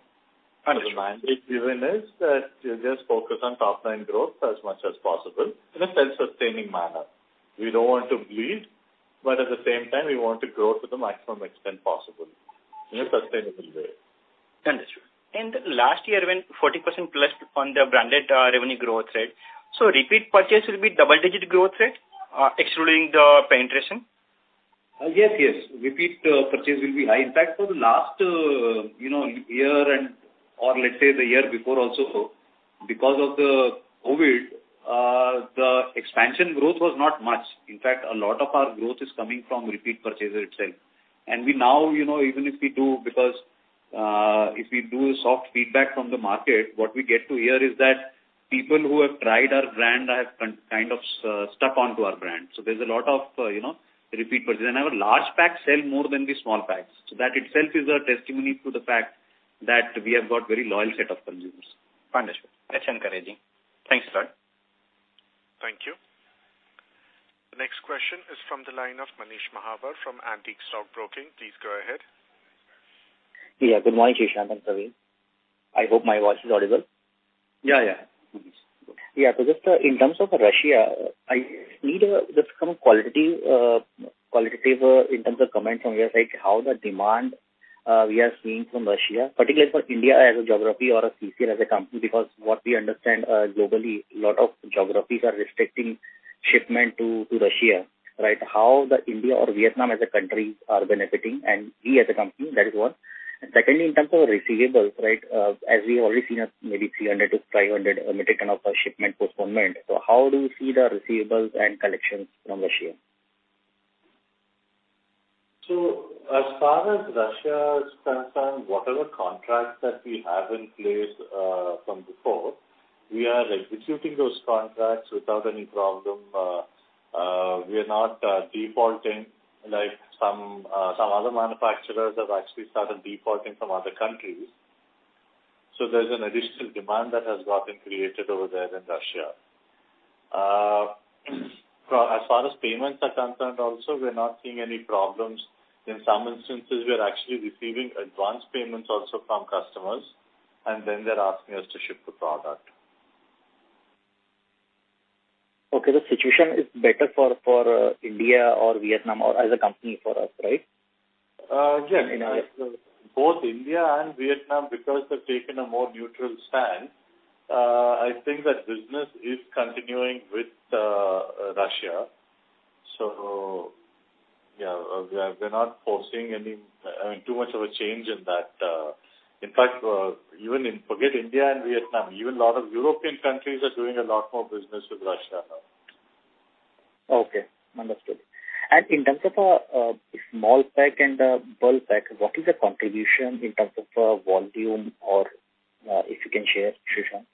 Understood. The mandate given is that you just focus on top line growth as much as possible in a self-sustaining manner. We don't want to bleed, but at the same time, we want to grow to the maximum extent possible in a sustainable way. Understood. Last year when 40%+ on the branded revenue growth rate, so repeat purchase will be double-digit growth rate, excluding the penetration? Yes. Repeat purchase will be high. In fact, for the last, you know, year or let's say the year before also, because of the COVID, the expansion growth was not much. In fact, a lot of our growth is coming from repeat purchaser itself. We now, you know, even if we do, because if we do a soft feedback from the market, what we get to hear is that people who have tried our brand have kind of stuck onto our brand. There's a lot of, you know, repeat purchases. Our large packs sell more than the small packs. That itself is a testimony to the fact that we have got very loyal set of consumers. Understood. That's encouraging. Thanks a lot. Thank you. The next question is from the line of Manish Mahawar from Antique Stock Broking. Please go ahead. Yeah, good morning, Shashank and Praveen. I hope my voice is audible. Yeah, yeah. Yeah. Just in terms of Russia, I need just some qualitative comment from your side on how the demand we are seeing from Russia, particularly for India as a geography or CCL as a company, because what we understand globally, a lot of geographies are restricting shipment to Russia, right? How India or Vietnam as a country are benefiting and we as a company, that is one. Secondly, in terms of receivables, right, as we've already seen maybe 300-500 metric ton of shipment postponement. How do you see the receivables and collections from Russia? As far as Russia is concerned, whatever contracts that we have in place, from before, we are executing those contracts without any problem, we are not defaulting like some other manufacturers have actually started defaulting from other countries. There's an additional demand that has gotten created over there in Russia. As far as payments are concerned also, we're not seeing any problems. In some instances, we are actually receiving advanced payments also from customers, and then they're asking us to ship the product. Okay. The situation is better for India or Vietnam or as a company for us, right? Yes. In a- Both India and Vietnam, because they've taken a more neutral stand, I think that business is continuing with Russia. Yeah, we're not foreseeing any, I mean, too much of a change in that. In fact, forget India and Vietnam, even a lot of European countries are doing a lot more business with Russia now. Okay. Understood. In terms of small pack and bulk pack, what is the contribution in terms of volume or if you can share, Shashank,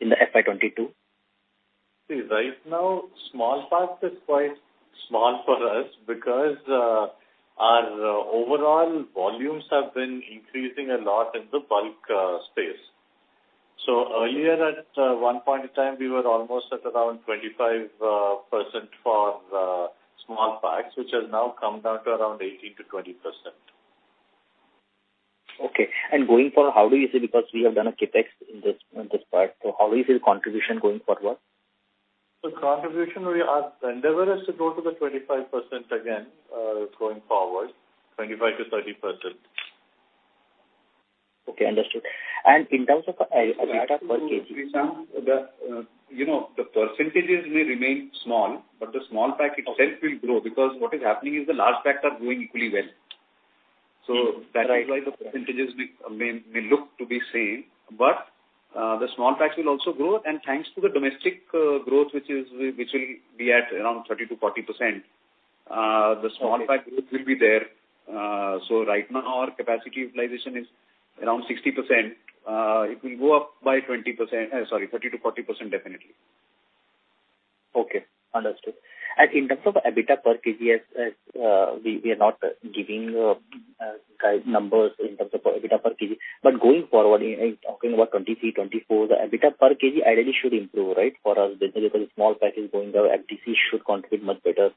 in the FY 2022? Right now, small packs is quite small for us because our overall volumes have been increasing a lot in the bulk space. Earlier at one point in time, we were almost at around 25% for the small packs, which has now come down to around 18%-20%. Okay. Going forward, how do you see? Because we have done a CapEx in this, in this part. How is the contribution going forward? The contribution, our endeavor is to go to the 25% again, going forward, 25%-30%. Okay, understood. In terms of EBITDA per kg. Shashank, the, you know, the percentages may remain small, but the small pack itself will grow because what is happening is the large packs are growing equally well. Right. That is why the percentages may look to be same, but the small packs will also grow. Thanks to the domestic growth, which will be at around 30%-40%. Okay. The small pack growth will be there. Right now our capacity utilization is around 60%. It will go up by 20%, sorry, 30%-40% definitely. Okay. Understood. In terms of EBITDA per kg, as we are not giving guidance numbers in terms of EBITDA per kg. Going forward, you know, talking about 2023, 2024, the EBITDA per kg ideally should improve, right? For us, basically because small pack is going well, FD should contribute much better.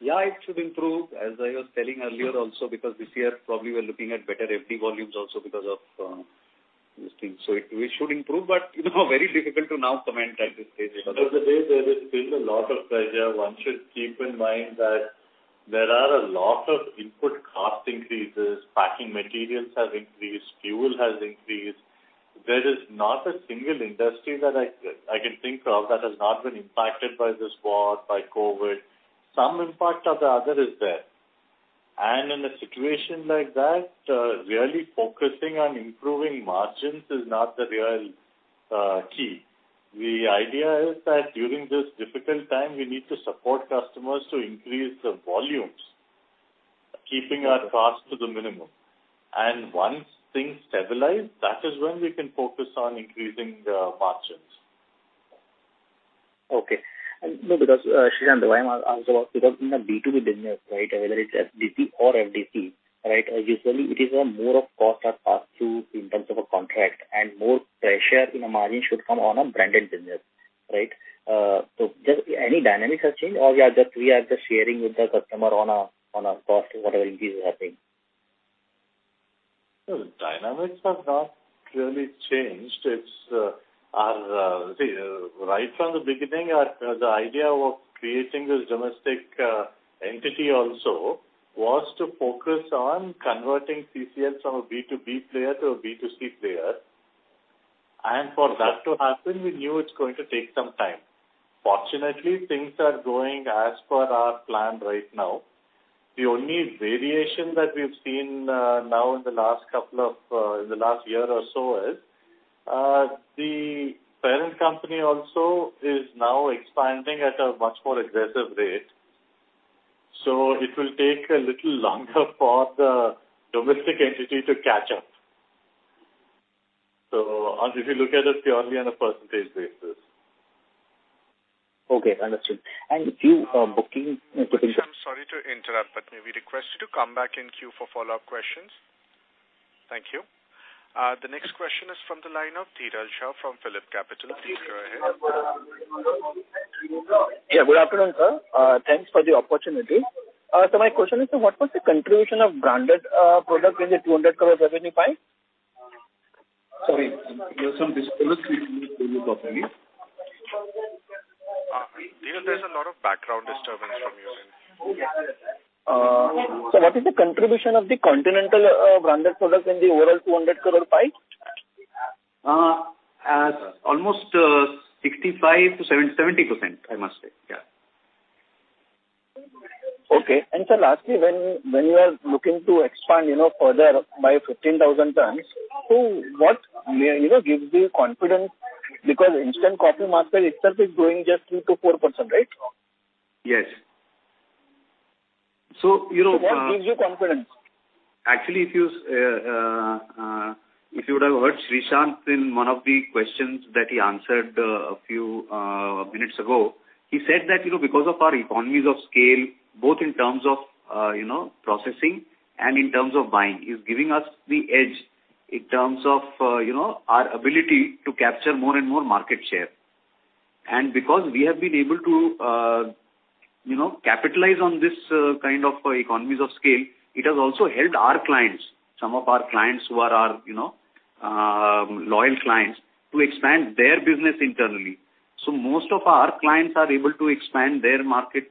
Yeah, it should improve, as I was telling earlier also because this year probably we're looking at better FD volumes also because of these things. We should improve. You know, very difficult to now comment at this stage, you know. Because there's been a lot of pressure. One should keep in mind that there are a lot of input cost increases, packing materials have increased, fuel has increased. There is not a single industry that I can think of that has not been impacted by this war, by COVID. Some impact or the other is there. In a situation like that, really focusing on improving margins is not the real key. The idea is that during this difficult time, we need to support customers to increase the volumes, keeping our costs to the minimum. Once things stabilize, that is when we can focus on increasing the margins. Okay. No, because, Shashank, the way I'm asking about, because in a B2B business, right, whether it's FD or SD, right, usually it is more of a cost or pass through in terms of a contract, and more pressure on a margin should come on a branded business, right? So just any dynamics has changed or we are just sharing with the customer on a cost whatever increase is happening? No, the dynamics have not really changed. See, right from the beginning, the idea of creating this domestic entity also was to focus on converting CCL from a B2B player to a B2C player. For that to happen, we knew it's going to take some time. Fortunately, things are going as per our plan right now. The only variation that we've seen now in the last year or so is the parent company also is now expanding at a much more aggressive rate. It will take a little longer for the domestic entity to catch up. If you look at it purely on a percentage basis. Okay. Understood. queue booking. Srishant sorry to interrupt, but may we request you to come back in queue for follow-up questions? Thank you. The next question is from the line of Dhiral Shah from PhillipCapital. Please go ahead. Yeah. Good afternoon, sir. Thanks for the opportunity. My question is that what was the contribution of branded product in the 200 crore revenue pie? Sorry. We have some disturbance please. Dhiral, there's a lot of background disturbance from your end. What is the contribution of the Continental branded products in the overall 200 crore pie? Almost 65%-77% I must say. Yeah. Okay. Sir, lastly, when you are looking to expand, you know, further by 15,000 tons, so what, you know, gives you confidence? Because instant coffee market itself is growing just 3%-4%, right? Yes, you know, What gives you confidence? Actually, if you would have heard Srishant in one of the questions that he answered a few minutes ago, he said that, you know, because of our economies of scale, both in terms of, you know, processing and in terms of buying, is giving us the edge in terms of, you know, our ability to capture more and more market share. Because we have been able to, you know, capitalize on this kind of economies of scale, it has also helped our clients, some of our clients who are our, you know, loyal clients, to expand their business internally. Most of our clients are able to expand their market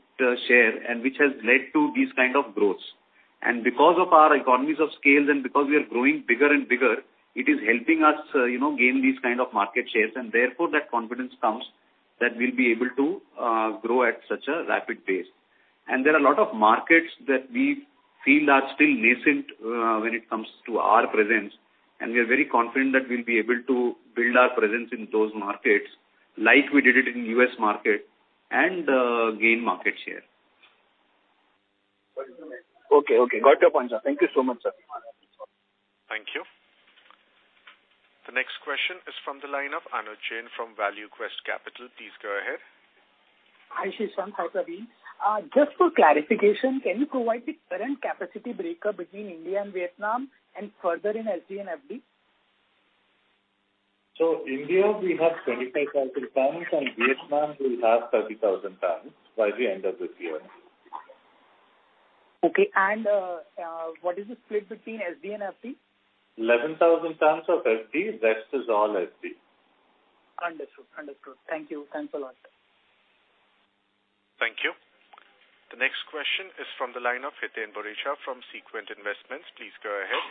share and which has led to this kind of growth. Because of our economies of scale and because we are growing bigger and bigger, it is helping us, you know, gain these kind of market shares and therefore that confidence comes that we'll be able to grow at such a rapid pace. There are a lot of markets that we feel are still nascent, when it comes to our presence, and we are very confident that we'll be able to build our presence in those markets like we did it in U.S. market and gain market share. Okay. Got your point, sir. Thank you so much, sir. Thank you. The next question is from the line of Anuj Jain from ValueQuest Capital. Please go ahead. Hi, Challa Srishant. Hi, Praveen Jaipuriar. Just for clarification, can you provide the current capacity breakup between India and Vietnam and further in SD and FD? India, we have 25,000 tons and Vietnam, we have 30,000 tons by the end of this year. Okay. What is the split between SD and FD? 11,000 tons of FD, rest is all SD. Understood. Thank you. Thanks a lot. Thank you. The next question is from the line of Hiten Boricha from Sequent Investments. Please go ahead.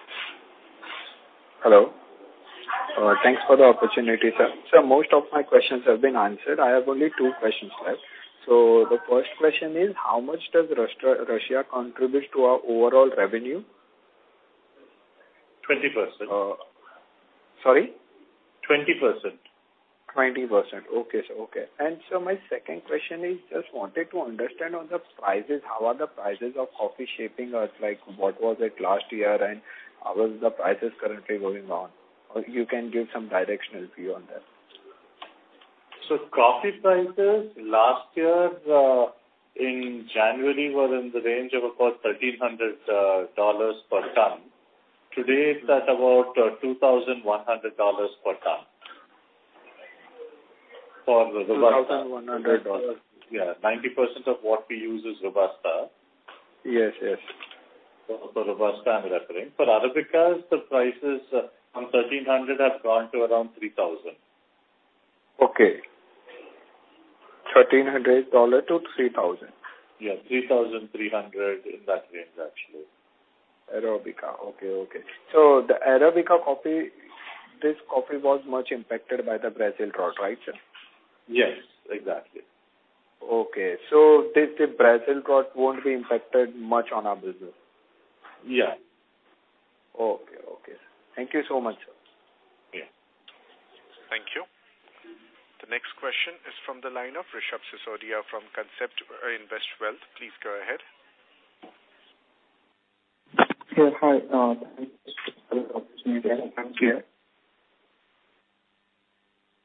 Hello. Thanks for the opportunity, sir. Sir, most of my questions have been answered. I have only two questions left. The first question is how much does Russia contribute to our overall revenue? 20%. Sorry? 20%. 20%. Okay, sir. Okay. Sir, my second question is just wanted to understand on the prices, how are the prices of coffee shaping or like what was it last year and how is the prices currently going on? Or you can give some directional view on that. Coffee prices last year in January were in the range of about $1,300 per ton. Today it's at about $2,100 per ton for the Robusta. $2,100 Yeah. 90% of what we use is Robusta. Yes. Yes. For Robusta I'm referring. For Arabica the prices from 1,300 have gone to around 3,000. Okay. $1,300-$3,000. Yeah, 3,300, in that range actually. Arabica. Okay. Okay. The Arabica coffee, this coffee was much impacted by the Brazil drought, right, sir? Yes, exactly. Okay. The Brazil drought won't impact much on our business? Yeah. Okay. Okay. Thank you so much, sir. Yeah. Thank you. The next question is from the line of Rishabh Sisodia from Concept Investwell. Please go ahead. Yeah, hi. Opportunity. Thank you.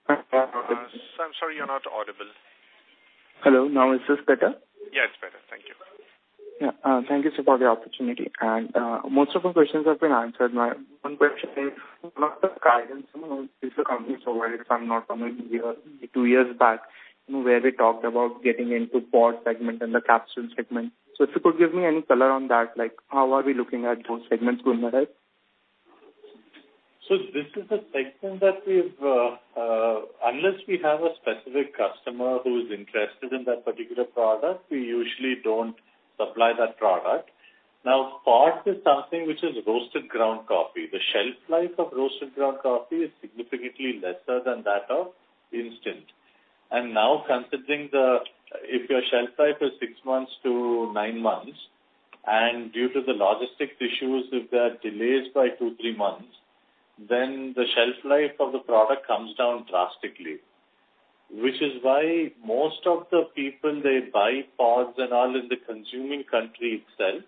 Sir, I'm sorry, you're not audible. Hello. Now is this better? Yeah, it's better. Thank you. Yeah. Thank you, sir, for the opportunity. Most of the questions have been answered. My one question is, one of the guidance, you know, this company provided from now from maybe a year, two years back, you know, where they talked about getting into pod segment and the capsule segment. If you could give me any color on that, like how are we looking at those segments going ahead? This is a segment unless we have a specific customer who is interested in that particular product, we usually don't supply that product. Now, pods is something which is roasted ground coffee. The shelf life of roasted ground coffee is significantly lesser than that of instant. Now considering if your shelf life is six months to nine months, and due to the logistics issues, if there are delays by two, three months, then the shelf life of the product comes down drastically. Which is why most of the people, they buy pods and all in the consuming country itself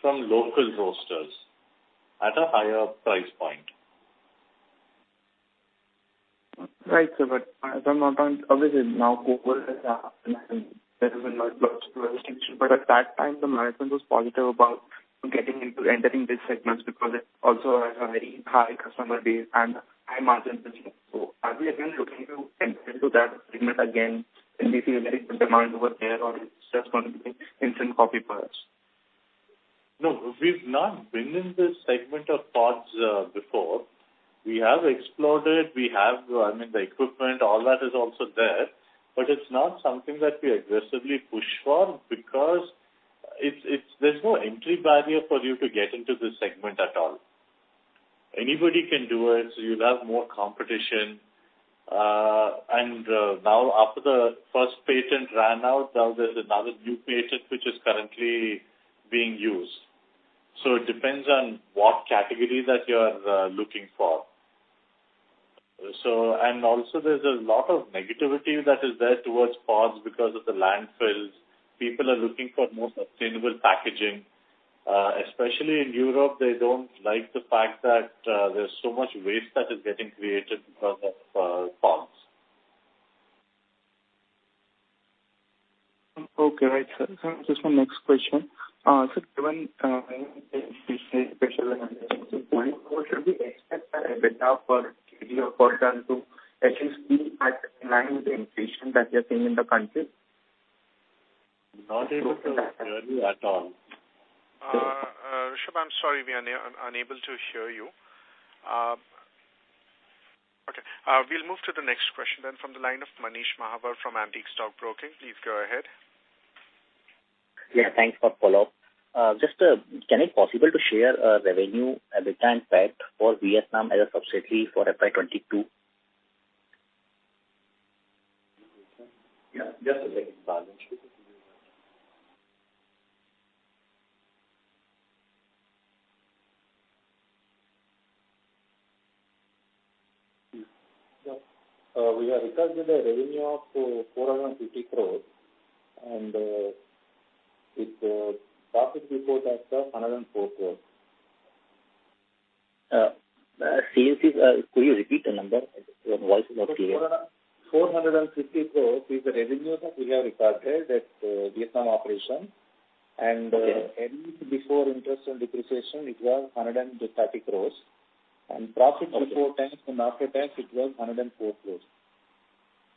from local roasters at a higher price point. Right, sir. If I'm not wrong, obviously now COVID has happened and there is a lot of restriction, but at that time the management was positive about entering these segments because it also has a very high customer base and high margin business. Are we again looking to enter into that segment again and we see a very good demand over there or it's just going to be instant coffee for us? No, we've not been in this segment of pods before. We have explored it. We have, I mean, the equipment, all that is also there, but it's not something that we aggressively push for because it's, there's no entry barrier for you to get into this segment at all. Anybody can do it, so you'd have more competition. Now after the first patent ran out, now there's another new patent which is currently being used. It depends on what category that you're looking for. There's a lot of negativity that is there towards pods because of the landfills. People are looking for more sustainable packaging. Especially in Europe, they don't like the fact that there's so much waste that is getting created because of pods. Okay. Right, sir. Just my next question. Given, should we expect the EBITDA for 2024 to at least be in line with the inflation that we are seeing in the country? Not able to hear you at all. Rishabh, I'm sorry, we are unable to hear you. Okay. We'll move to the next question then from the line of Manish Mahawar from Antique Stock Broking. Please go ahead. Yeah, thanks for follow-up. Just, is it possible to share revenue, EBITDA and PAT for Vietnam as a subsidiary for FY 2022? Yeah. Just a second. We have recorded a revenue of 450 crores, and with profit before tax of 104 crores. Could you repeat the number? Your voice is not clear. 450 crore is the revenue that we have recorded at Vietnam operation. Okay. EBIT before interest and depreciation, it was 130 crores. Profit- Okay. Before tax and after tax, it was 104 crores. INR 104 crores.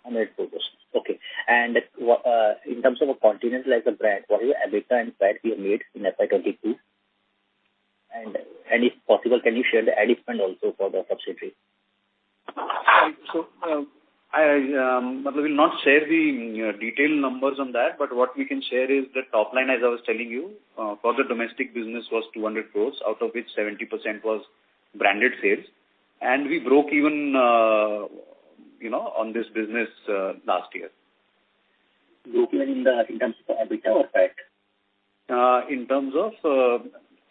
Okay. In terms of Continental, like, a brand, what is your EBITDA and PAT you made in FY 2022? If possible, can you share the ad spend also for the subsidiary? I will not share the detailed numbers on that, but what we can share is the top line, as I was telling you, for the domestic business was 200 crore, out of which 70% was branded sales. We broke even, you know, on this business last year. Broke even in terms of EBITDA or PAT? In terms of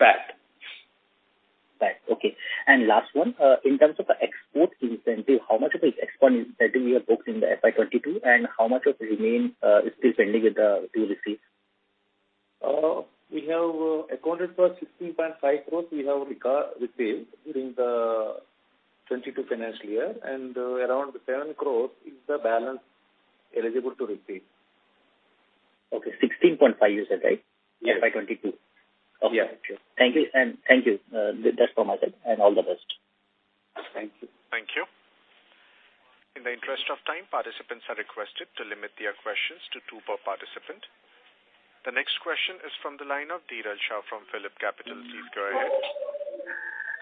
PAT. Okay. Last one, in terms of export incentive, how much of the export incentive you have booked in the FY 2022, and how much of the remaining is still pending with the due receipts? We have accounted for 16.5 crore we have received during the 2022 financial year, and around 7 crore is the balance eligible to receive. Okay. 16.5 you said, right? Yes. FY 2022. Yeah. Okay. Thank you. Thank you. That's from myself. All the best. Thank you. Thank you. In the interest of time, participants are requested to limit their questions to two per participant. The next question is from the line of Dhiral Shah from PhillipCapital. Please go ahead.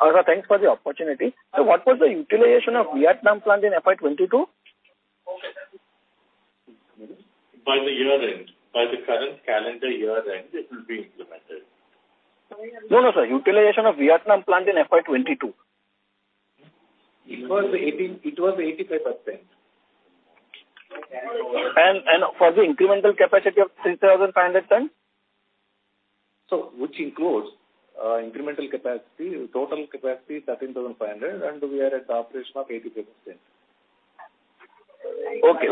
Sir, thanks for the opportunity. What was the utilization of Vietnam plant in FY 2022? By the year-end. By the current calendar year-end, it will be implemented. No, no, sir. Utilization of Vietnam plant in FY 2022. It was 80, it was 85%. For the incremental capacity of 3,500 tons? which includes incremental capacity, total capacity 13,500, and we are operating at 85%. Okay.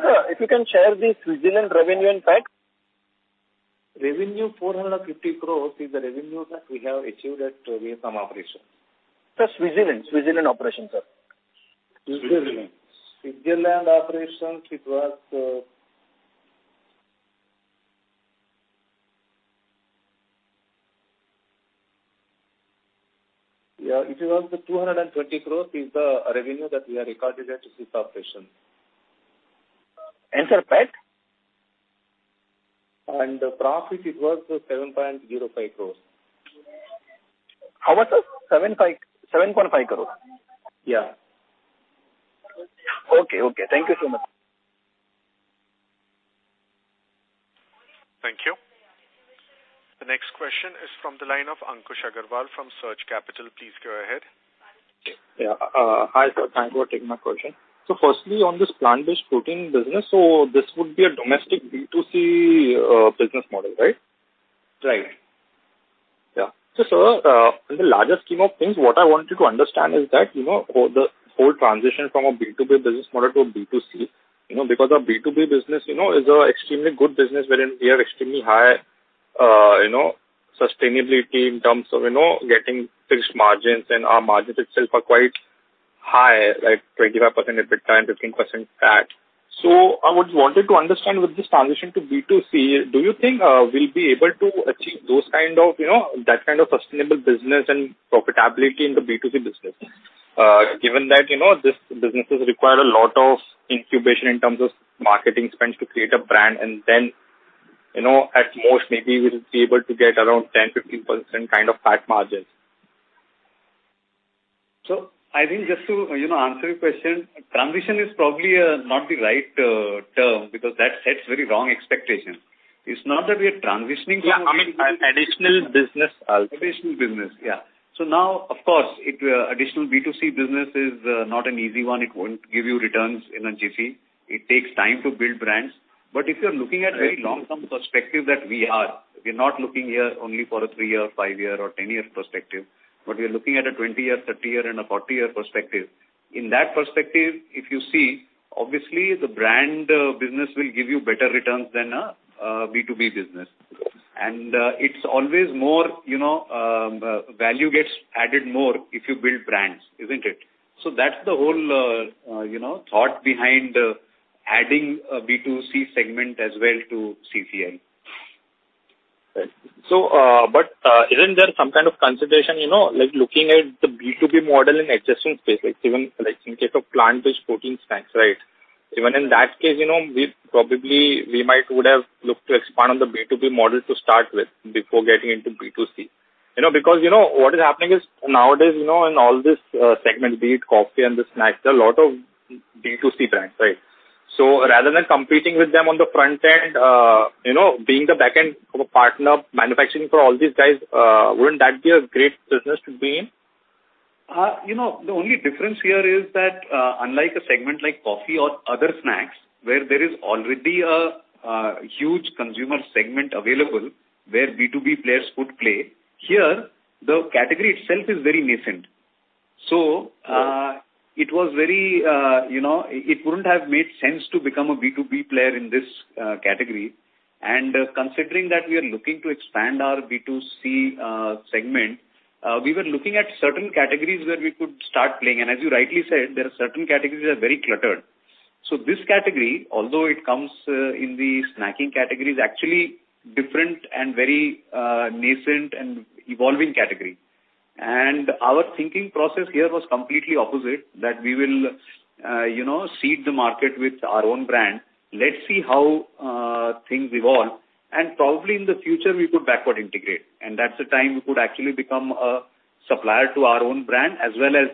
Sir, if you can share the Switzerland revenue and PAT? Revenue 450 crore is the revenue that we have achieved at Vietnam operation. Sir, Switzerland. Switzerland operation, sir. Switzerland operations. It was 220 crore is the revenue that we have recorded at Swiss operation. Sir, PAT? The profit, it was 7.05 crore. How much, sir? 75, 7.5 crores? Yeah. Okay. Okay. Thank you so much. Thank you. The next question is from the line of Ankush Agrawal from Surge Capital. Please go ahead. Yeah. Hi, sir. Thank you for taking my question. Firstly, on this plant-based protein business, so this would be a domestic B2C business model, right? Right. Yeah. Sir, in the larger scheme of things, what I wanted to understand is that, you know, for the whole transition from a B2B business model to a B2C, you know, because our B2B business, you know, is a extremely good business wherein we have extremely high, you know, sustainability in terms of, you know, getting fixed margins and our margins itself are quite high, like 25% EBITDA and 15% PAT. I would wanted to understand with this transition to B2C, do you think, we'll be able to achieve those kind of, you know, that kind of sustainable business and profitability in the B2C business? Given that, you know, these businesses require a lot of incubation in terms of marketing spend to create a brand and then, you know, at most maybe we'll be able to get around 10%-15% kind of PAT margins. I think just to, you know, answer your question, transition is probably not the right term because that sets very wrong expectation. It's not that we are transitioning from. Yeah. I mean, additional business also. Additional business. Yeah. Now, of course, additional B2C business is not an easy one. It won't give you returns in a jiffy. It takes time to build brands. If you're looking at very long-term perspective that we are, we're not looking here only for a 3-year, 5-year or 10-year perspective, but we are looking at a 20-year, 30-year and a 40-year perspective. In that perspective, if you see, obviously the brand business will give you better returns than a B2B business. It's always more, you know, value gets added more if you build brands, isn't it? That's the whole, you know, thought behind adding a B2C segment as well to CCL. Isn't there some kind of consideration, you know, like looking at the B2B model in adjacent space, like even, like in case of plant-based protein snacks, right? Even in that case, you know, we probably might would have looked to expand on the B2B model to start with before getting into B2C. You know, because, you know, what is happening is nowadays, you know, in all this segment, be it coffee and the snacks, there are a lot of B2C brands, right? Rather than competing with them on the front end, you know, being the back end of a partner manufacturing for all these guys, wouldn't that be a great business to be in? You know, the only difference here is that, unlike a segment like coffee or other snacks, where there is already a huge consumer segment available where B2B players could play, here, the category itself is very nascent. It wouldn't have made sense to become a B2B player in this category. Considering that we are looking to expand our B2C segment, we were looking at certain categories where we could start playing. As you rightly said, there are certain categories that are very cluttered. This category, although it comes in the snacking category, is actually different and very nascent and evolving category. Our thinking process here was completely opposite, that we will seed the market with our own brand. Let's see how things evolve. Probably in the future we could backward integrate, and that's the time we could actually become a supplier to our own brand as well as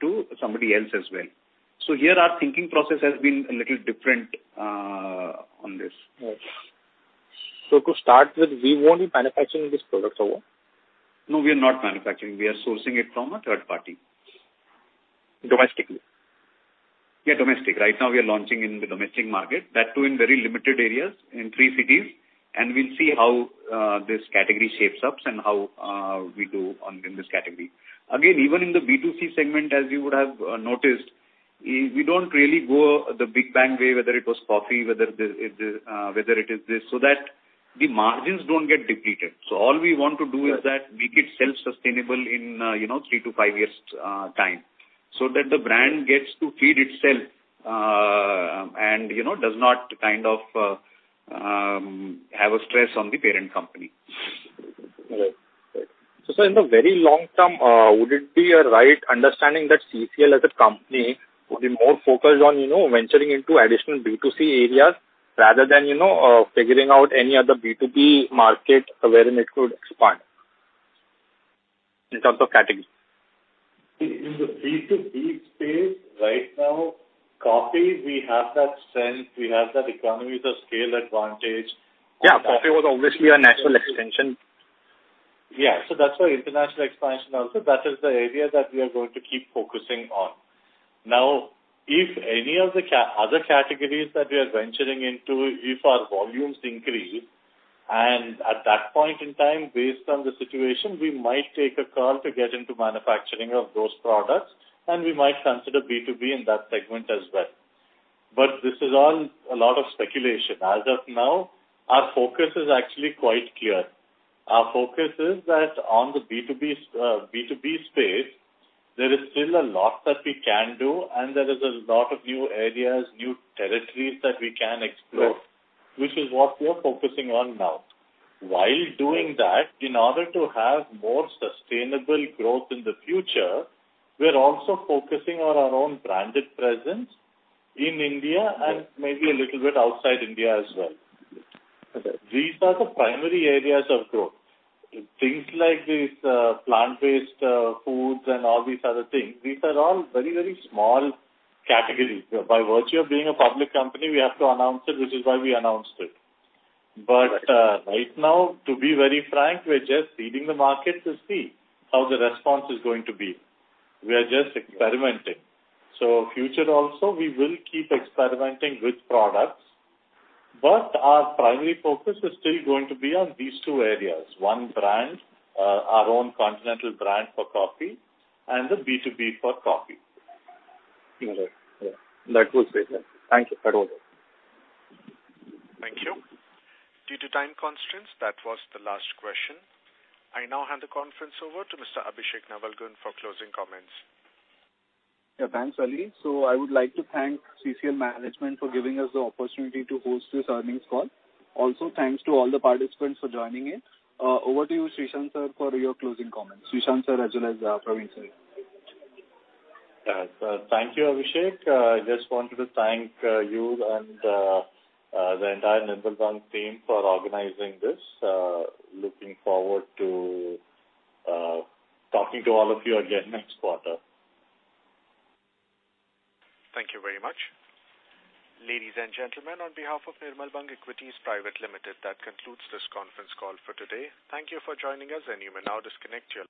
to somebody else as well. Here our thinking process has been a little different on this. Right. To start with, we won't be manufacturing these products alone? No, we are not manufacturing. We are sourcing it from a third party. Domestically? Yeah, domestic. Right now we are launching in the domestic market, that too in very limited areas in three cities, and we'll see how this category shapes up and how we do in this category. Again, even in the B2C segment, as you would have noticed, we don't really go the big bang way, whether it was coffee, whether it is this, so that the margins don't get depleted. All we want to do is to make it self-sustainable in you know, three to five years time, so that the brand gets to feed itself and you know, does not kind of have a stress on the parent company. Right. In the very long term, would it be a right understanding that CCL as a company would be more focused on, you know, venturing into additional B2C areas rather than, you know, figuring out any other B2B market wherein it could expand in terms of category? In the B2B space right now, coffee, we have that strength, we have that economies of scale advantage. Yeah, coffee was obviously a natural extension. Yeah. That's why international expansion also, that is the area that we are going to keep focusing on. Now, if any of the other categories that we are venturing into, if our volumes increase, and at that point in time, based on the situation, we might take a call to get into manufacturing of those products, and we might consider B2B in that segment as well. This is all a lot of speculation. As of now, our focus is actually quite clear. Our focus is that on the B2B space, there is still a lot that we can do, and there is a lot of new areas, new territories that we can explore. Right. which is what we're focusing on now. While doing that, in order to have more sustainable growth in the future, we're also focusing on our own branded presence in India and maybe a little bit outside India as well. Okay. These are the primary areas of growth. Things like these, plant-based, foods and all these other things, these are all very, very small categories. By virtue of being a public company, we have to announce it, which is why we announced it. Right. Right now, to be very frank, we're just seeding the market to see how the response is going to be. We are just experimenting. Future also, we will keep experimenting with products, but our primary focus is still going to be on these two areas, one brand, our own Continental brand for coffee and the B2B for coffee. Right. Yeah. That was great. Thank you. That's all. Thank you. Due to time constraints, that was the last question. I now hand the conference over to Mr. Abhishek Navalgund for closing comments. Yeah. Thanks, Ali. I would like to thank CCL management for giving us the opportunity to host this earnings call. Also, thanks to all the participants for joining in. Over to you, Challa Srishant sir for your closing comments. Challa Srishant sir as well as Praveen Jaipuriar. Thank you, Abhishek. I just wanted to thank you and the entire Nirmal Bang team for organizing this. Looking forward to talking to all of you again next quarter. Thank you very much. Ladies and gentlemen, on behalf of Nirmal Bang Equities Private Limited, that concludes this conference call for today. Thank you for joining us, and you may now disconnect your.